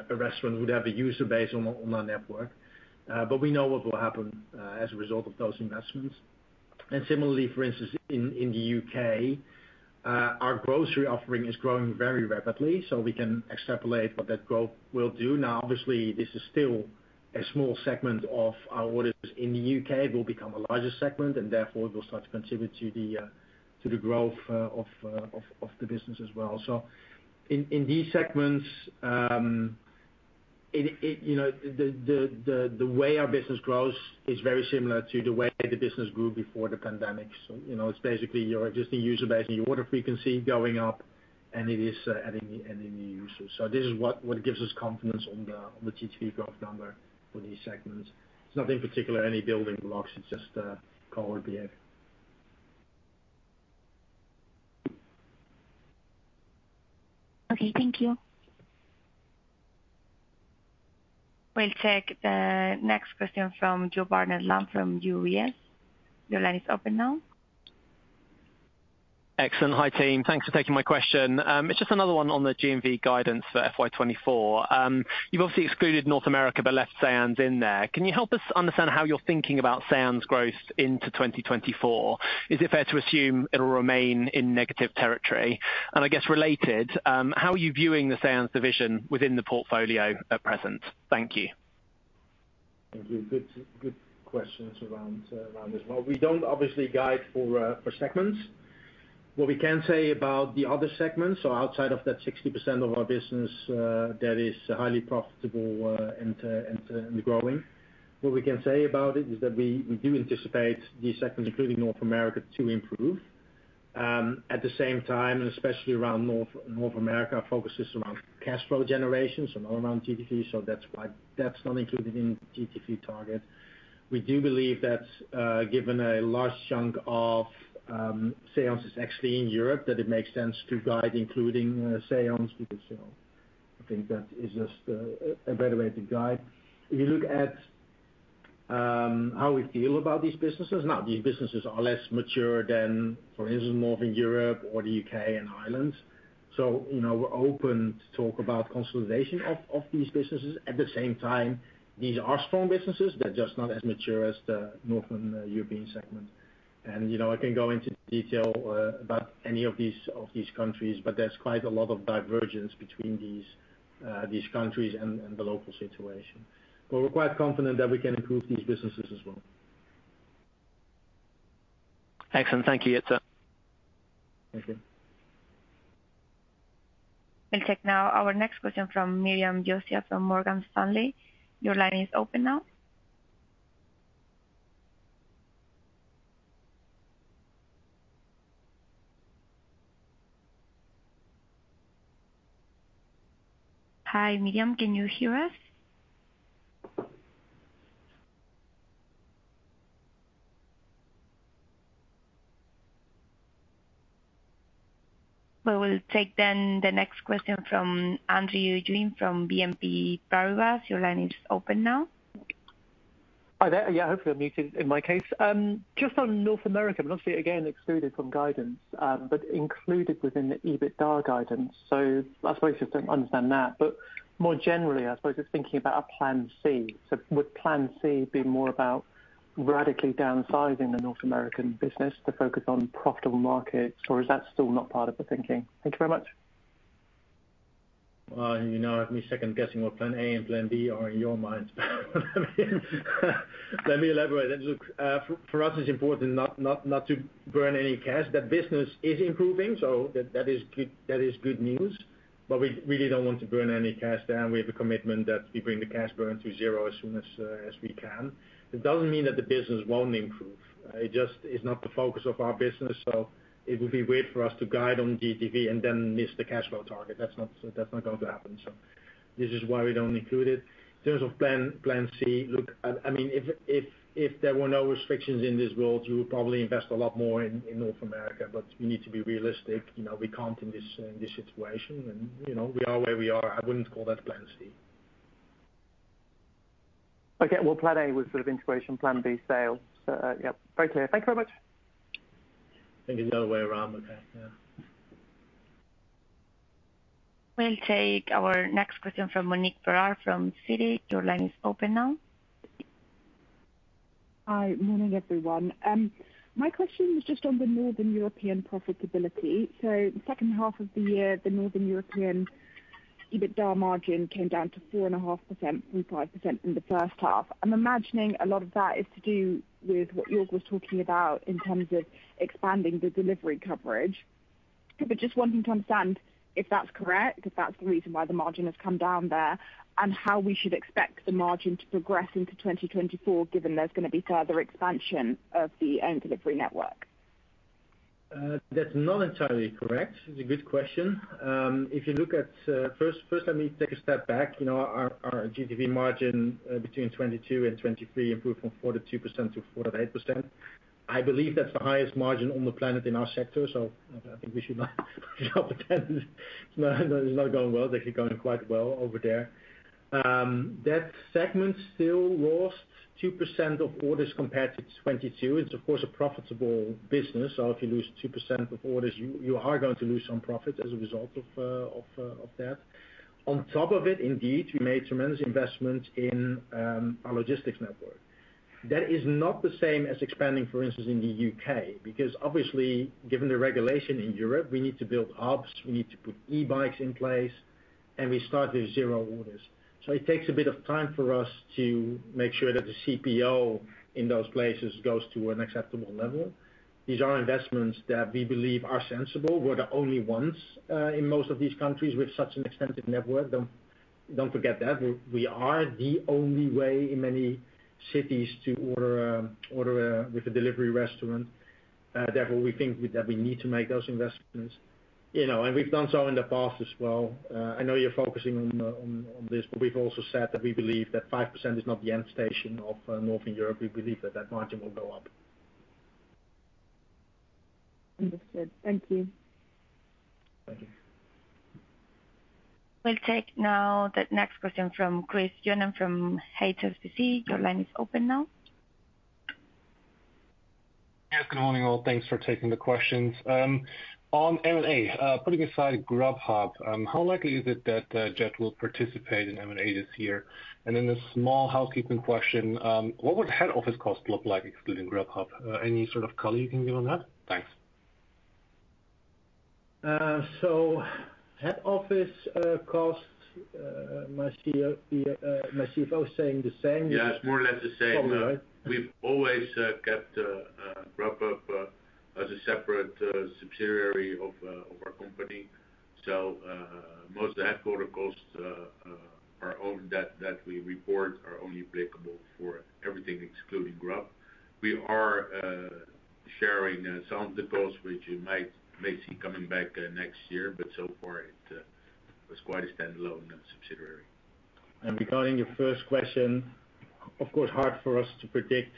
a restaurant would have a user base on our network. But we know what will happen as a result of those investments. And similarly, for instance, in the U.K., our grocery offering is growing very rapidly, so we can extrapolate what that growth will do. Now, obviously, this is still a small segment of our orders in the U.K. It will become a larger segment, and therefore it will start to contribute to the growth of the business as well. So in these segments, you know, the way our business grows is very similar to the way the business grew before the pandemic. So, you know, it's basically your existing user base and your order frequency going up, and it is, adding, adding new users. So this is what, what gives us confidence on the, on the GTV growth number for these segments. It's nothing particular, any building blocks, it's just, cohort behavior. Okay, thank you. We'll take the next question from Joe Barnet-Lamb from UBS. Your line is open now. Excellent. Hi, team. Thanks for taking my question. It's just another one on the GTV guidance for FY 2024. You've obviously excluded North America, but left ANZ in there. Can you help us understand how you're thinking about ANZ growth into 2024? Is it fair to assume it'll remain in negative territory? And I guess related, how are you viewing the ANZ division within the portfolio at present? Thank you. Thank you. Good, good questions around, around as well. We don't obviously guide for, for segments. What we can say about the other segments, so outside of that 60% of our business, that is highly profitable, and, and, and growing. What we can say about it, is that we, we do anticipate these segments, including North America, to improve. At the same time, and especially around North, North America, our focus is around cash flow generation, so not around GTV, so that's why that's not included in GTV target. We do believe that, given a large chunk of, ANZ is actually in Europe, that it makes sense to guide, including, ANZ, because, so I think that is just, a better way to guide. If you look at how we feel about these businesses, now, these businesses are less mature than, for instance, Northern Europe or the U.K. and Ireland. So, you know, we're open to talk about consolidation of these businesses. At the same time, these are strong businesses, they're just not as mature as the Northern European segment. And, you know, I can go into detail about any of these countries, but there's quite a lot of divergence between these countries and the local situation. But we're quite confident that we can improve these businesses as well. Excellent. Thank you. Yeah, so- Thank you. We'll take now our next question from Miriam Josiah, from Morgan Stanley. Your line is open now. Hi, Miriam, can you hear us? We will take then the next question from Andrew Gwynn from BNP Paribas. Your line is open now. Hi there. Yeah, hopefully I'm muted in my case. Just on North America, but obviously again, excluded from guidance, but included within the EBITDA guidance. So I suppose you just don't understand that. But more generally, I suppose just thinking about a plan C. So would plan C be more about radically downsizing the North American business to focus on profitable markets, or is that still not part of the thinking? Thank you very much. Well, you now have me second guessing what plan A and plan B are in your mind. Let me elaborate. Look, for us, it's important not to burn any cash. That business is improving, so that is good, that is good news. But we really don't want to burn any cash down. We have a commitment that we bring the cash burn to zero as soon as we can. It doesn't mean that the business won't improve, it just is not the focus of our business, so it would be weird for us to guide on GTV and then miss the cash flow target. That's not, so that's not going to happen. So this is why we don't include it. In terms of plan, plan C, look, I mean, if there were no restrictions in this world, you would probably invest a lot more in North America, but we need to be realistic. You know, we can't in this situation, and, you know, we are where we are. I wouldn't call that plan C. Okay, well, plan A was sort of integration, plan B, sales. So, yep, very clear. Thank you very much. I think the other way around, okay, yeah. We'll take our next question from Monique Pollard from Citi. Your line is open now. Hi, morning, everyone. My question is just on the Northern European profitability. So the second half of the year, the Northern European EBITDA margin came down to 4.5% from 5% in the first half. I'm imagining a lot of that is to do with what Jörg was talking about in terms of expanding the delivery coverage. But just wanting to understand if that's correct, if that's the reason why the margin has come down there, and how we should expect the margin to progress into 2024, given there's gonna be further expansion of the end delivery network? That's not entirely correct. It's a good question. If you look at. First, let me take a step back. You know, our GTV margin between 2022 and 2023 improved from 42% to 48%. I believe that's the highest margin on the planet in our sector, so I think we should not pretend it's not going well. They're going quite well over there. That segment still lost 2% of orders compared to 2022. It's, of course, a profitable business, so if you lose 2% of orders, you are going to lose some profit as a result of that. On top of it, indeed, we made tremendous investments in our logistics network. That is not the same as expanding, for instance, in the UK, because obviously, given the regulation in Europe, we need to build hubs, we need to put e-bikes in place, and we start with zero orders. So it takes a bit of time for us to make sure that the CPO in those places goes to an acceptable level. These are investments that we believe are sensible. We're the only ones in most of these countries with such an extensive network. Don't forget that. We are the only way in many cities to order a with a delivery restaurant. Therefore, we think that we need to make those investments, you know, and we've done so in the past as well. I know you're focusing on this, but we've also said that we believe that 5% is not the end station of Northern Europe. We believe that that margin will go up. Understood. Thank you. Thank you. We'll take now the next question from Chris Johnen from HSBC. Your line is open now. Yes, good morning, all. Thanks for taking the questions. On M&A, putting aside Grubhub, how likely is it that Just Eat will participate in M&A this year? And then a small housekeeping question, what would head office costs look like excluding Grubhub? Any sort of color you can give on that? Thanks. So, head office costs, my CEO, my CFO is saying the same. Yeah, it's more or less the same. All right. We've always kept Grubhub as a separate subsidiary of our company. So, most headquarters costs are all that we report are only applicable for everything excluding Grubhub. We are sharing some of the costs, which you might see coming back next year, but so far it was quite a standalone subsidiary. Regarding your first question, of course, hard for us to predict.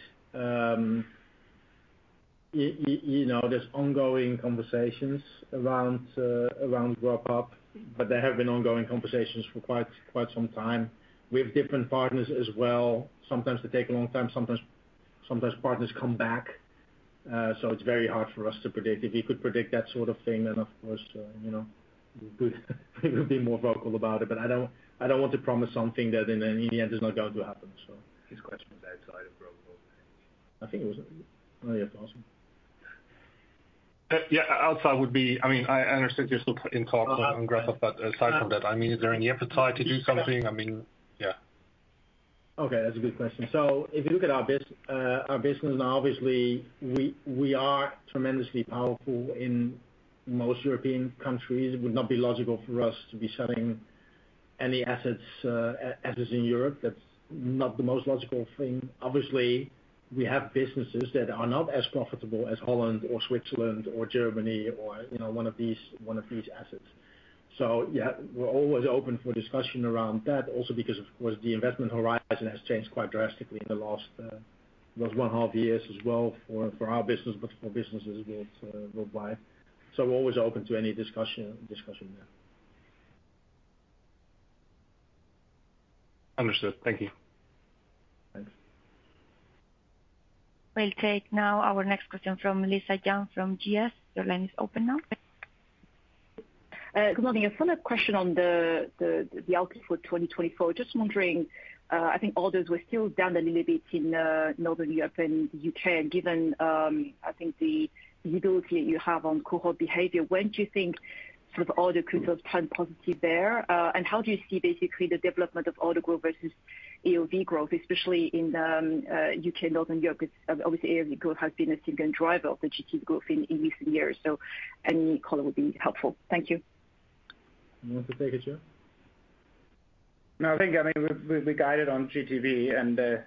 You know, there's ongoing conversations around, around Grubhub, but there have been ongoing conversations for quite, quite some time. We have different partners as well. Sometimes they take a long time, sometimes, sometimes partners come back. So it's very hard for us to predict. If we could predict that sort of thing, then, of course, you know, we would be more vocal about it. But I don't want to promise something that in the end is not going to happen, so. His question was outside of Grubhub. Oh, yeah, awesome. Yeah, outside would be, I mean, I understand you're still in talks on Grubhub, but aside from that, I mean, is there any appetite to do something? I mean, yeah. Okay, that's a good question. So if you look at our business, and obviously, we are tremendously powerful in most European countries. It would not be logical for us to be selling any assets in Europe. That's not the most logical thing. Obviously, we have businesses that are not as profitable as Holland or Switzerland or Germany or, you know, one of these assets. So, yeah, we're always open for discussion around that also, because, of course, the investment horizon has changed quite drastically in the last one half years as well for our business, but for businesses worldwide. So we're always open to any discussion there. Understood. Thank you. Thanks. We'll take now our next question from Lisa Yang from GS. Your line is open now. Good morning. I just have a question on the outlook for 2024. Just wondering, I think orders were still down a little bit in Northern Europe and U.K. Given, I think the visibility you have on cohort behavior, when do you think sort of order growth will turn positive there? And how do you see basically the development of order growth versus AOV growth, especially in the U.K. and Northern Europe? It's obviously, AOV growth has been a significant driver of the GTV growth in recent years, so any color would be helpful. Thank you. You want to take it, Jörg?... No, I think, I mean, we guided on GTV and, that,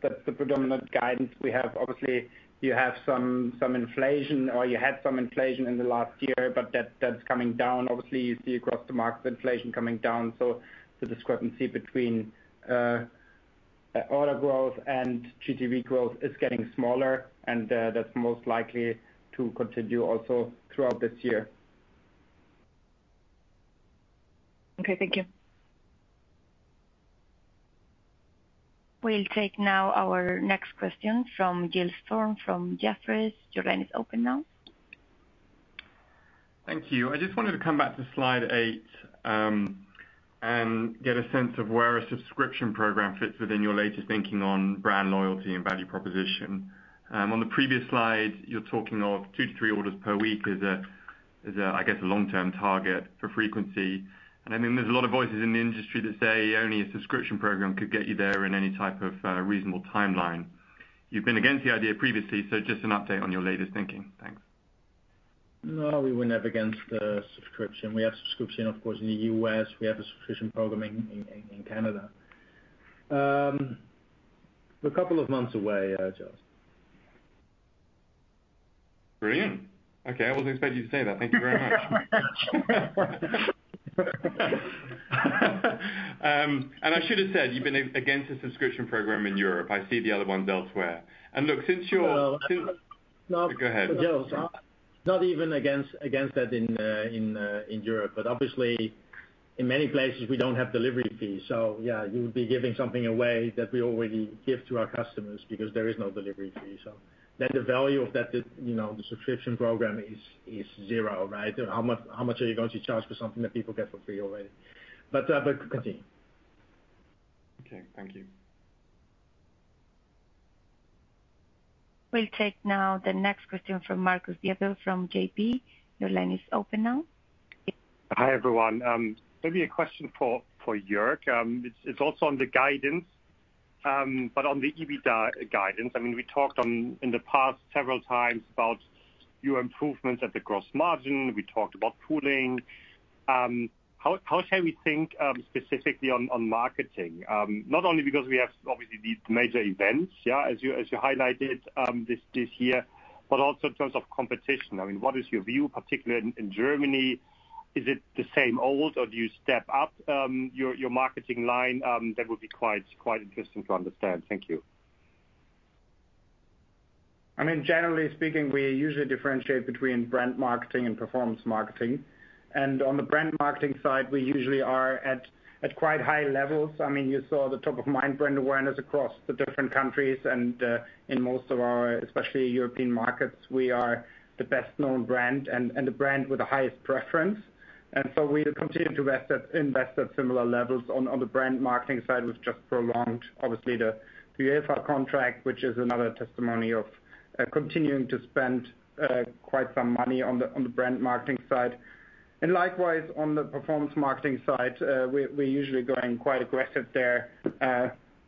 that's the predominant guidance we have. Obviously, you have some inflation, or you had some inflation in the last year, but that, that's coming down. Obviously, you see across the market, inflation coming down. So the discrepancy between order growth and GTV growth is getting smaller, and, that's most likely to continue also throughout this year. Okay, thank you. We'll take now our next question from Giles Thorne, from Jefferies. Your line is open now. Thank you. I just wanted to come back to slide eight, and get a sense of where a subscription program fits within your latest thinking on brand loyalty and value proposition. On the previous slide, you're talking of two to three orders per week is a, I guess, a long-term target for frequency. And I mean, there's a lot of voices in the industry that say only a subscription program could get you there in any type of reasonable timeline. You've been against the idea previously, so just an update on your latest thinking. Thanks. No, we were never against the subscription. We have subscription, of course, in the US. We have a subscription program in Canada. A couple of months away, Giles. Brilliant. Okay, I wasn't expecting you to say that. Thank you very much. And I should have said, you've been against a subscription program in Europe. I see the other ones elsewhere. And look, since you're- No. Go ahead. Gill, not even against that in Europe, but obviously, in many places, we don't have delivery fees. So yeah, you would be giving something away that we already give to our customers because there is no delivery fee. So then the value of that, you know, the subscription program is zero, right? How much are you going to charge for something that people get for free already? But continue. Okay, thank you. We'll take now the next question from Marcus Diebel from JP. Your line is open now. Hi, everyone. Maybe a question for Jörg. It's also on the guidance, but on the EBITDA guidance. I mean, we talked in the past several times about your improvements at the gross margin. We talked about pooling. How should we think, specifically on marketing? Not only because we have, obviously, these major events, yeah, as you highlighted, this year, but also in terms of competition. I mean, what is your view, particularly in Germany, is it the same old, or do you step up your marketing line? That would be quite interesting to understand. Thank you. I mean, generally speaking, we usually differentiate between brand marketing and performance marketing. And on the brand marketing side, we usually are at quite high levels. I mean, you saw the top-of-mind brand awareness across the different countries, and in most of our, especially European markets, we are the best-known brand and the brand with the highest preference. And so we continue to invest at similar levels on the brand marketing side. We've just prolonged, obviously, the DFL contract, which is another testimony of continuing to spend quite some money on the brand marketing side. And likewise, on the performance marketing side, we usually going quite aggressive there.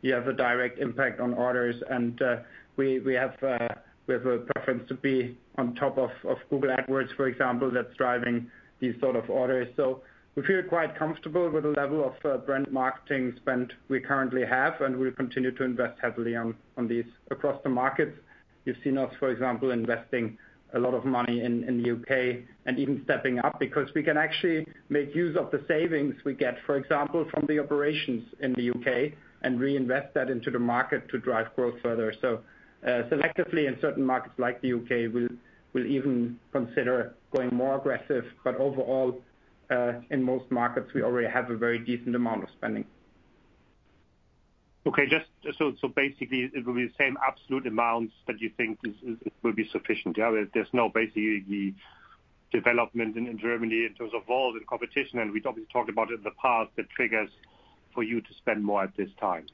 You have a direct impact on orders, and we have a preference to be on top of Google AdWords, for example, that's driving these sort of orders. So we feel quite comfortable with the level of brand marketing spend we currently have, and we'll continue to invest heavily on these across the markets. You've seen us, for example, investing a lot of money in the UK and even stepping up, because we can actually make use of the savings we get, for example, from the operations in the UK and reinvest that into the market to drive growth further. So selectively, in certain markets like the UK, we'll even consider going more aggressive. But overall, in most markets, we already have a very decent amount of spending. Okay, just so, so basically, it will be the same absolute amounts that you think is will be sufficient. There's no basically the development in Germany in terms of volume and competition, and we obviously talked about it in the past, the triggers for you to spend more at this time.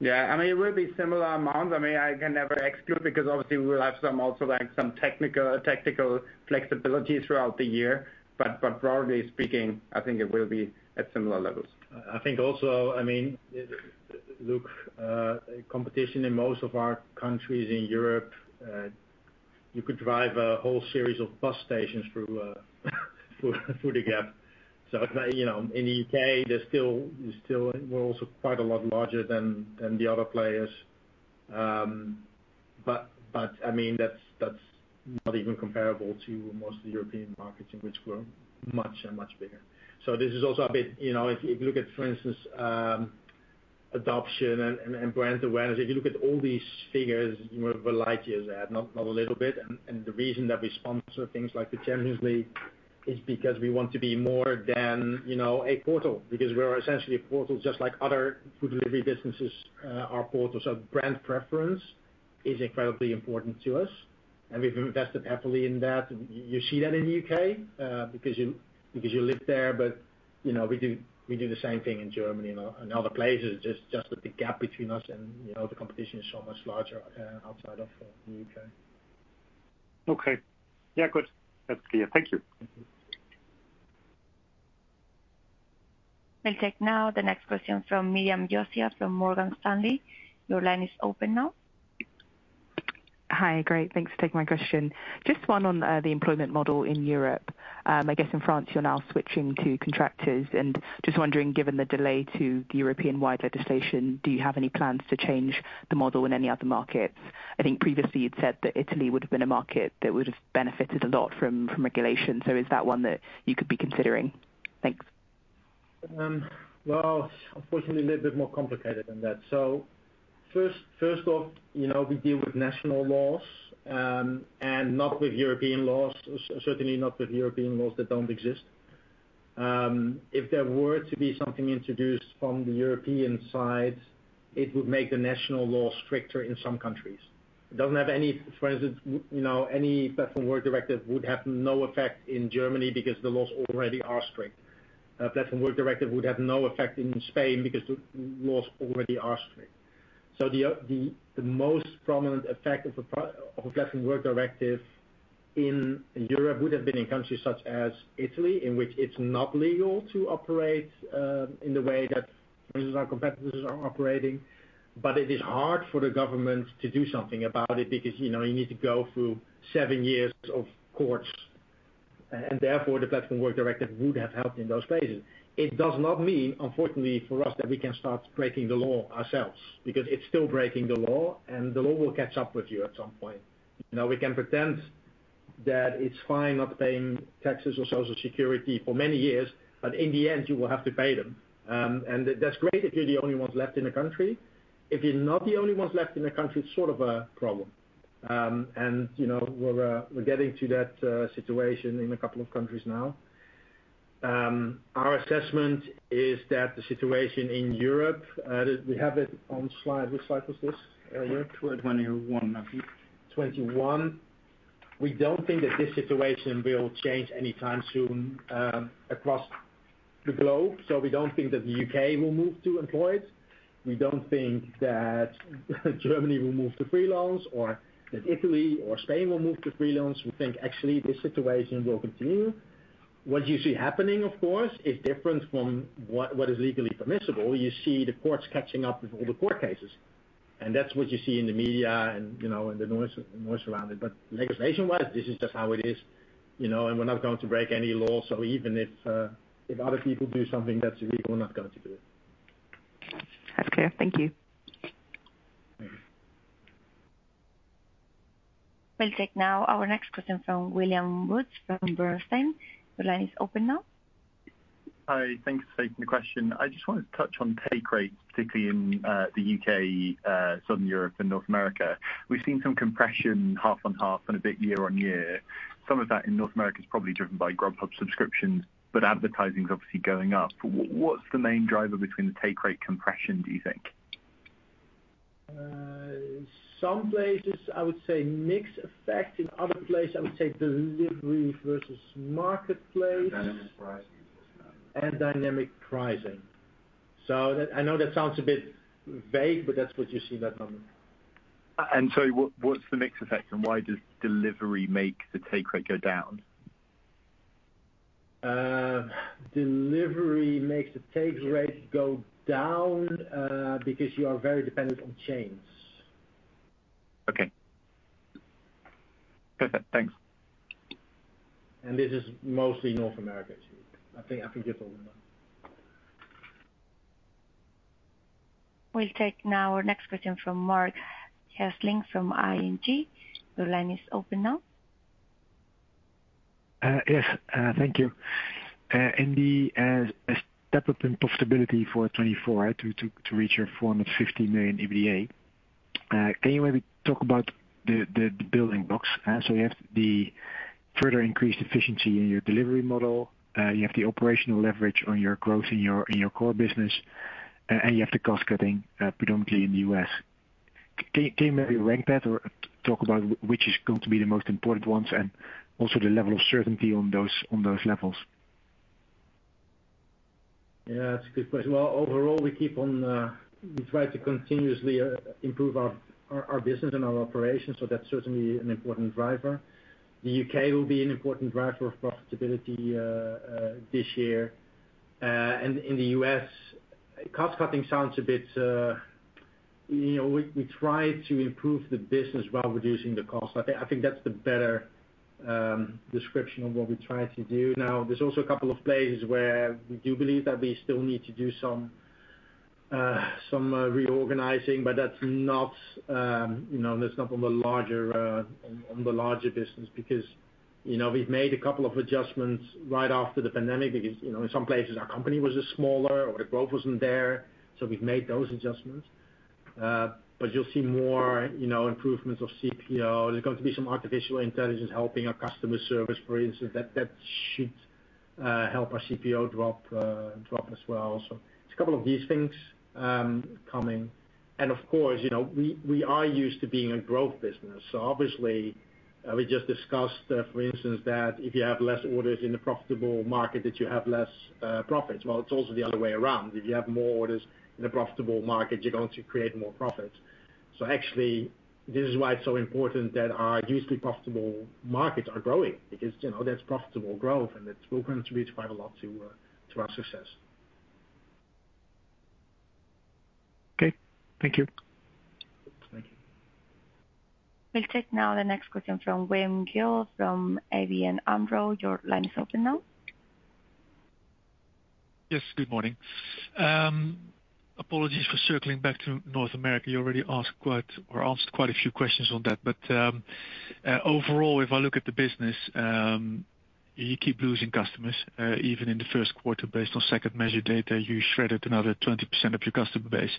Yeah, I mean, it will be similar amounts. I mean, I can never exclude, because obviously, we will have some also, like, some technical, tactical flexibility throughout the year. But, but broadly speaking, I think it will be at similar levels. I think also, I mean, look, competition in most of our countries in Europe, you could drive a whole series of bus stations through the gap. So, you know, in the UK, there's still we're also quite a lot larger than the other players. But I mean, that's not even comparable to most of the European markets, in which we're much and much bigger. So this is also a bit... You know, if you look at, for instance, adoption and brand awareness, if you look at all these figures, you know, we're light years ahead, not a little bit. And the reason that we sponsor things like the Champions League is because we want to be more than, you know, a portal. Because we're essentially a portal, just like other food delivery businesses are portals. So brand preference is incredibly important to us, and we've invested heavily in that. You see that in the U.K., because you, because you live there, but, you know, we do, we do the same thing in Germany and other places. Just, just that the gap between us and, you know, the competition is so much larger outside of the U.K. Okay. Yeah, good. That's clear. Thank you. We'll take now the next question from Miriam Josiah, from Morgan Stanley. Your line is open now.... Hi, great. Thanks for taking my question. Just one on, the employment model in Europe. I guess in France, you're now switching to contractors, and just wondering, given the delay to the European-wide legislation, do you have any plans to change the model in any other markets? I think previously you'd said that Italy would have been a market that would have benefited a lot from regulation, so is that one that you could be considering? Thanks. Well, unfortunately, a little bit more complicated than that. So first off, you know, we deal with national laws, and not with European laws, or certainly not with European laws that don't exist. If there were to be something introduced from the European side, it would make the national law stricter in some countries. It doesn't have any, for instance, you know, any Platform Work Directive would have no effect in Germany because the laws already are strict. A Platform Work Directive would have no effect in Spain because the laws already are strict. So the most prominent effect of a Platform Work Directive in Europe would have been in countries such as Italy, in which it's not legal to operate in the way that, for instance, our competitors are operating. But it is hard for the government to do something about it because, you know, you need to go through seven years of courts, and therefore, the Platform Work Directive would have helped in those phases. It does not mean, unfortunately for us, that we can start breaking the law ourselves, because it's still breaking the law, and the law will catch up with you at some point. You know, we can pretend that it's fine not paying taxes or Social Security for many years, but in the end, you will have to pay them. That's great if you're the only ones left in the country. If you're not the only ones left in the country, it's sort of a problem. You know, we're getting to that situation in a couple of countries now. Our assessment is that the situation in Europe, we have it on slide. Which slide was this, Eric? 21, I think. 21. We don't think that this situation will change anytime soon across the globe. So we don't think that the UK will move to employed. We don't think that Germany will move to freelance or that Italy or Spain will move to freelance. We think actually this situation will continue. What you see happening, of course, is different from what is legally permissible. You see the courts catching up with all the court cases, and that's what you see in the media and, you know, and the noise around it. But legislation-wise, this is just how it is, you know, and we're not going to break any laws. So even if other people do something that's illegal, we're not going to do it. That's clear. Thank you. We'll take now our next question from William Woods from Bernstein. The line is open now. Hi, thanks for taking the question. I just wanted to touch on take rates, particularly in the UK, Southern Europe and North America. We've seen some compression half on half and a bit year-on-year. Some of that in North America is probably driven by Grubhub subscriptions, but advertising is obviously going up. What's the main driver between the take rate compression, do you think? Some places, I would say mixed effect. In other places, I would say delivery versus marketplace. Dynamic pricing. So that, I know that sounds a bit vague, but that's what you see at the moment. Sorry, what's the mixed effect, and why does delivery make the take rate go down? Delivery makes the take rate go down, because you are very dependent on chains. Okay. Perfect, thanks. This is mostly North America, actually. I think you probably know. We'll take now our next question from Marc Hesselink from ING. Your line is open now. Yes, thank you. In the step-up in profitability for 2024, to reach your 450 million EBITDA, can you maybe talk about the building blocks? So you have the further increased efficiency in your delivery model, you have the operational leverage on your growth in your core business, and you have the cost cutting, predominantly in the U.S. Can you maybe rank that or talk about which is going to be the most important ones and also the level of certainty on those levels? Yeah, that's a good question. Well, overall, we keep on, we try to continuously improve our business and our operations, so that's certainly an important driver. The U.K. will be an important driver of profitability, this year. And in the U.S., cost-cutting sounds a bit... You know, we try to improve the business while reducing the cost. I think, I think that's the better description of what we try to do. Now, there's also a couple of places where we do believe that we still need to do some reorganizing, but that's not, you know, that's not on the larger business, because, you know, we've made a couple of adjustments right after the pandemic, because, you know, in some places, our company was just smaller or the growth wasn't there. So we've made those adjustments. But you'll see more, you know, improvements of CPO. There's going to be some artificial intelligence helping our customer service, for instance, that should help our CPO drop as well. So it's a couple of these things coming. And of course, you know, we are used to being a growth business. So obviously, we just discussed, for instance, that if you have less orders in a profitable market, that you have less profits. Well, it's also the other way around. If you have more orders in a profitable market, you're going to create more profits. So actually, this is why it's so important that our usually profitable markets are growing, because, you know, that's profitable growth, and it will contribute quite a lot to our success. ... Okay, thank you. Thank you. We'll take now the next question from Wim Gille from ABN AMRO. Your line is open now. Yes, good morning. Apologies for circling back to North America. You already asked quite, or asked quite a few questions on that, but, overall, if I look at the business, you keep losing customers, even in the first quarter based on Second Measure data, you shredded another 20% of your customer base.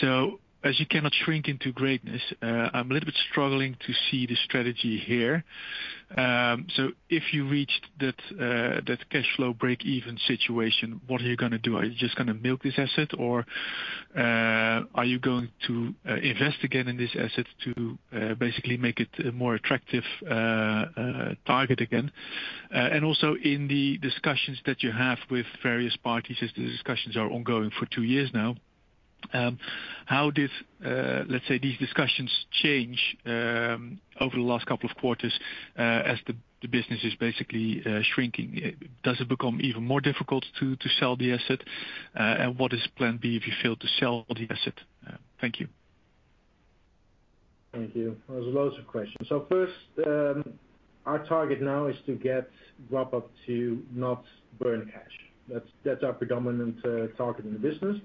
So as you cannot shrink into greatness, I'm a little bit struggling to see the strategy here. So if you reached that, that cash flow break even situation, what are you gonna do? Are you just gonna milk this asset, or, are you going to, invest again in this asset to, basically make it a more attractive, target again? And also in the discussions that you have with various parties, as the discussions are ongoing for two years now, how did, let's say, these discussions change over the last couple of quarters, as the business is basically shrinking? Does it become even more difficult to sell the asset? And what is plan B if you fail to sell the asset? Thank you. Thank you. There's loads of questions. So first, our target now is to get Drop off to not burn cash. That's, that's our predominant, target in the business.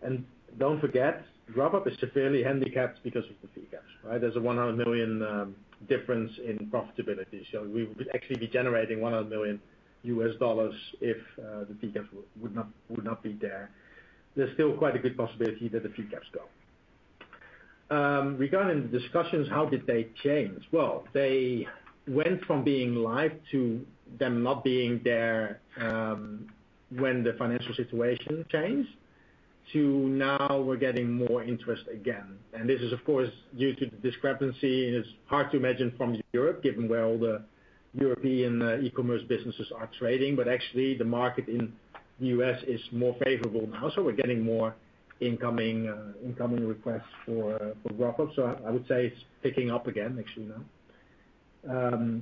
And don't forget, Drop off is severely handicapped because of the fee caps, right? There's a $100 million difference in profitability. So we would actually be generating $100 million if, the fee caps would not, would not be there. There's still quite a good possibility that the fee caps go. Regarding the discussions, how did they change? Well, they went from being live to them not being there, when the financial situation changed, to now we're getting more interest again. And this is, of course, due to the discrepancy, and it's hard to imagine from Europe, given where all the European e-commerce businesses are trading, but actually, the market in the U.S. is more favorable now, so we're getting more incoming requests for Drop Off. So I would say it's picking up again, actually, now.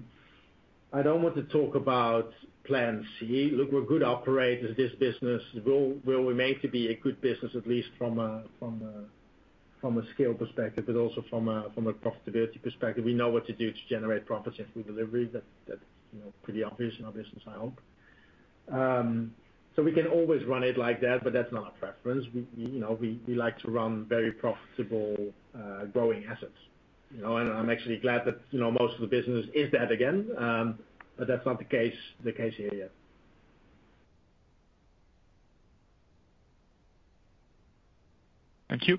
I don't want to talk about plan C. Look, we're good operators. This business will remain to be a good business, at least from a scale perspective, but also from a profitability perspective. We know what to do to generate profits in food delivery. That's you know, pretty obvious in our business, I hope. So we can always run it like that, but that's not our preference. We, you know, we like to run very profitable, growing assets, you know, and I'm actually glad that, you know, most of the business is that again, but that's not the case here yet. Thank you.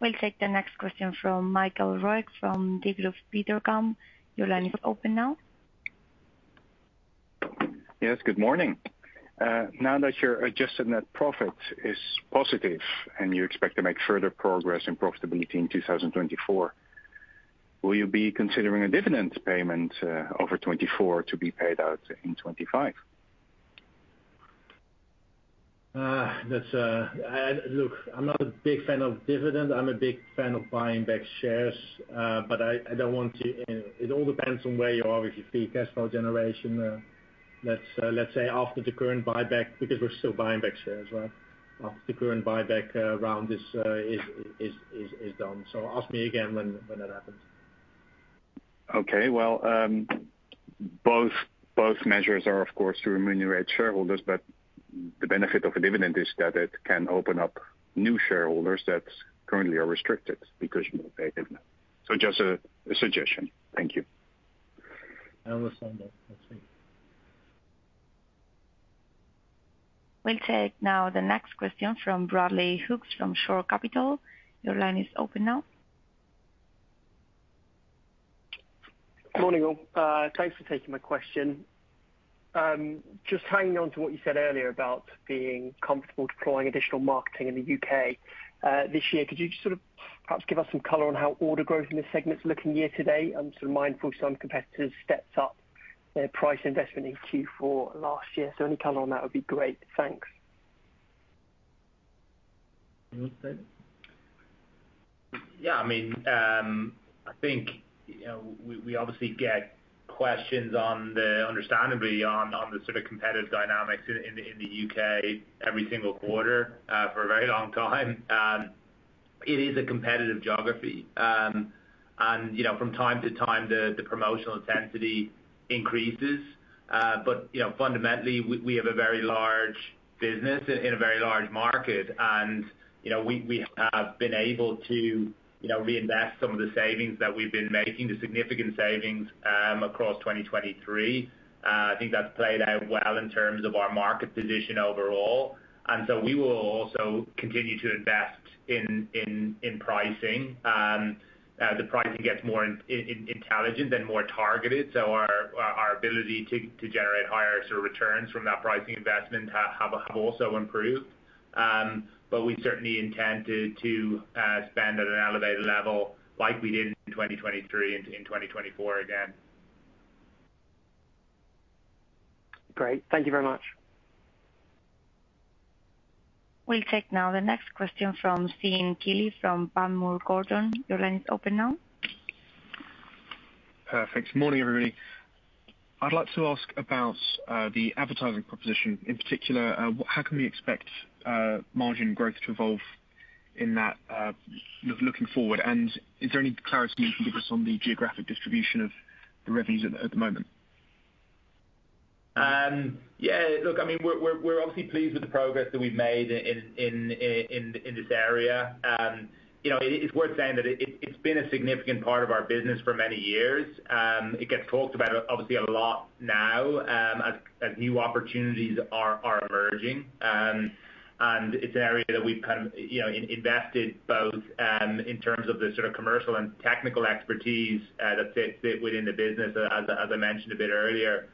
We'll take the next question from Michael Roeg from Degroof Petercam. Your line is open now. Yes, good morning. Now that your adjusted net profit is positive and you expect to make further progress in profitability in 2024, will you be considering a dividend payment over 2024 to be paid out in 2025? Look, I'm not a big fan of dividend. I'm a big fan of buying back shares, but I don't want to. It all depends on where you are with your free cash flow generation. Let's say after the current buyback, because we're still buying back shares, right? After the current buyback round is done. So ask me again when that happens. Okay. Well, both, both measures are, of course, to remunerate shareholders, but the benefit of a dividend is that it can open up new shareholders that currently are restricted because you will pay a dividend. So just a suggestion. Thank you. I understand that. Let's see. We'll take now the next question from Bradley Hughes from Shore Capital. Your line is open now. Morning, all. Thanks for taking my question. Just hanging on to what you said earlier about being comfortable deploying additional marketing in the U.K., this year, could you just sort of perhaps give us some color on how order growth in this segment is looking year to date? I'm sort of mindful some competitors stepped up their price investment in Q4 last year, so any color on that would be great. Thanks. You want to say it? Yeah, I mean, I think, you know, we obviously get questions, understandably, on the sort of competitive dynamics in the UK every single quarter, for a very long time. It is a competitive geography. You know, from time to time, the promotional intensity increases, but, you know, fundamentally, we have a very large business in a very large market, and, you know, we have been able to, you know, reinvest some of the savings that we've been making, the significant savings, across 2023. I think that's played out well in terms of our market position overall, and so we will also continue to invest in pricing. The pricing gets more intelligent and more targeted, so our ability to generate higher sort of returns from that pricing investment have also improved. But we certainly intend to spend at an elevated level like we did in 2023 and in 2024 again. Great. Thank you very much. We'll take now the next question from Sean Kealy from Panmure Gordon. Your line is open now.... Perfect. Good morning, everybody. I'd like to ask about the advertising proposition, in particular, how can we expect margin growth to evolve in that, looking forward? And is there any clarity you can give us on the geographic distribution of the revenues at the moment? Yeah, look, I mean, we're obviously pleased with the progress that we've made in this area. You know, it's worth saying that it's been a significant part of our business for many years. It gets talked about obviously a lot now, as new opportunities are emerging. And it's an area that we've kind of, you know, invested both in terms of the sort of commercial and technical expertise that fits within the business, as I mentioned a bit earlier.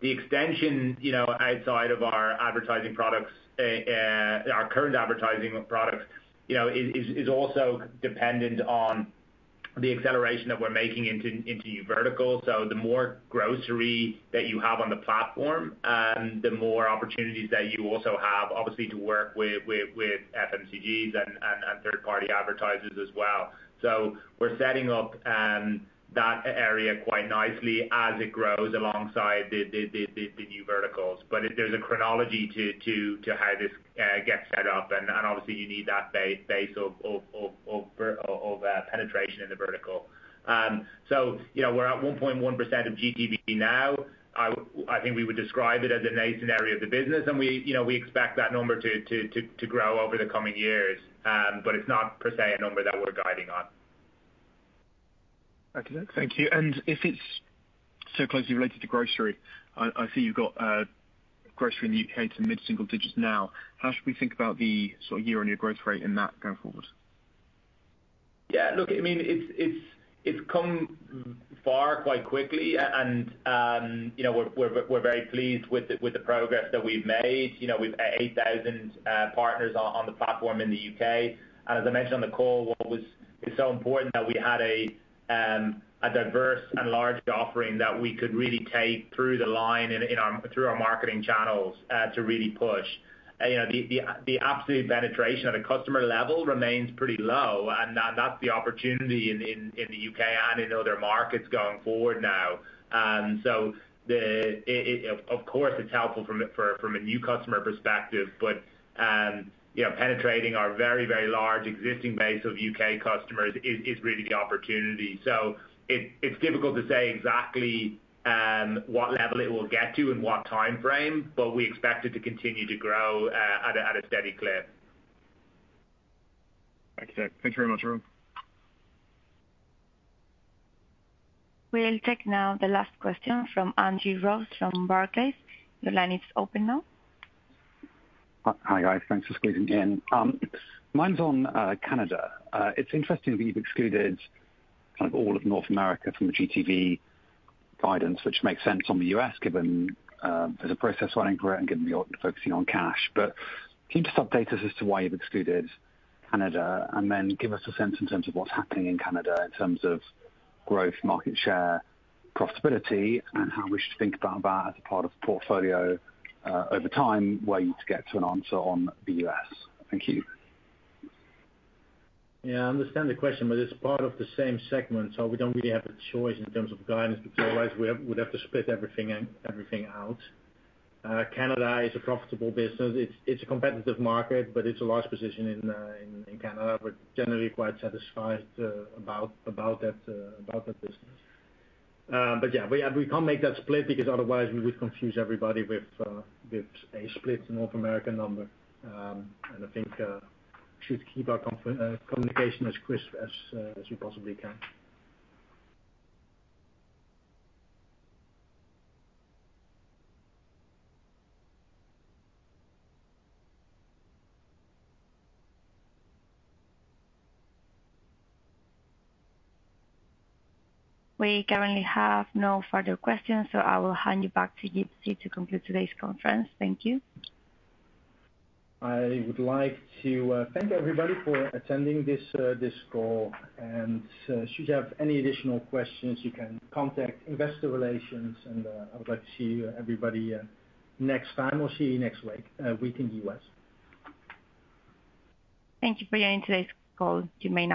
The extension, you know, outside of our current advertising products, you know, is also dependent on the acceleration that we're making into new verticals. So the more grocery that you have on the platform, the more opportunities that you also have, obviously, to work with FMCGs and third-party advertisers as well. So we're setting up that area quite nicely as it grows alongside the new verticals. But there's a chronology to how this gets set up, and obviously, you need that base of penetration in the vertical. So, you know, we're at 1.1% of GTV now. I think we would describe it as a nascent area of the business, and we, you know, we expect that number to grow over the coming years. But it's not, per se, a number that we're guiding on. Okay, thank you. And if it's so closely related to grocery, I see you've got grocery in the UK to mid-single digits now. How should we think about the sort of year-on-year growth rate in that going forward? Yeah, look, I mean, it's come far quite quickly, and you know, we're very pleased with the progress that we've made. You know, we've 8,000 partners on the platform in the UK. And as I mentioned on the call, what was so important that we had a diverse and large offering that we could really take through the line in our through our marketing channels to really push. You know, the absolute penetration at a customer level remains pretty low, and that's the opportunity in the UK and in other markets going forward now. Of course, it's helpful from a new customer perspective, but you know, penetrating our very, very large existing base of UK customers is really the opportunity. So it's difficult to say exactly what level it will get to and what time frame, but we expect it to continue to grow at a steady clip. Thank you. Thank you very much, Andrew. We'll take now the last question from Andrew Ross from Barclays. The line is open now. Hi, guys. Thanks for squeezing me in. Mine's on Canada. It's interesting that you've excluded kind of all of North America from the GTV guidance, which makes sense on the U.S., given there's a process running for it and given you're focusing on cash. But can you just update us as to why you've excluded Canada, and then give us a sense in terms of what's happening in Canada, in terms of growth, market share, profitability, and how we should think about that as a part of the portfolio, over time, waiting to get to an answer on the U.S.? Thank you. Yeah, I understand the question, but it's part of the same segment, so we don't really have a choice in terms of guidance, because otherwise we'd have to split everything, everything out. Canada is a profitable business. It's a competitive market, but it's a large position in Canada. We're generally quite satisfied about that business. But yeah, we can't make that split because otherwise we would confuse everybody with a split North American number. And I think we should keep our communication as crisp as we possibly can. We currently have no further questions, so I will hand you back to you, to conclude today's conference. Thank you. I would like to thank everybody for attending this call, and should you have any additional questions, you can contact investor relations, and I would like to see everybody next time or see you next week in US. Thank you for your in today's call. You may now disconnect.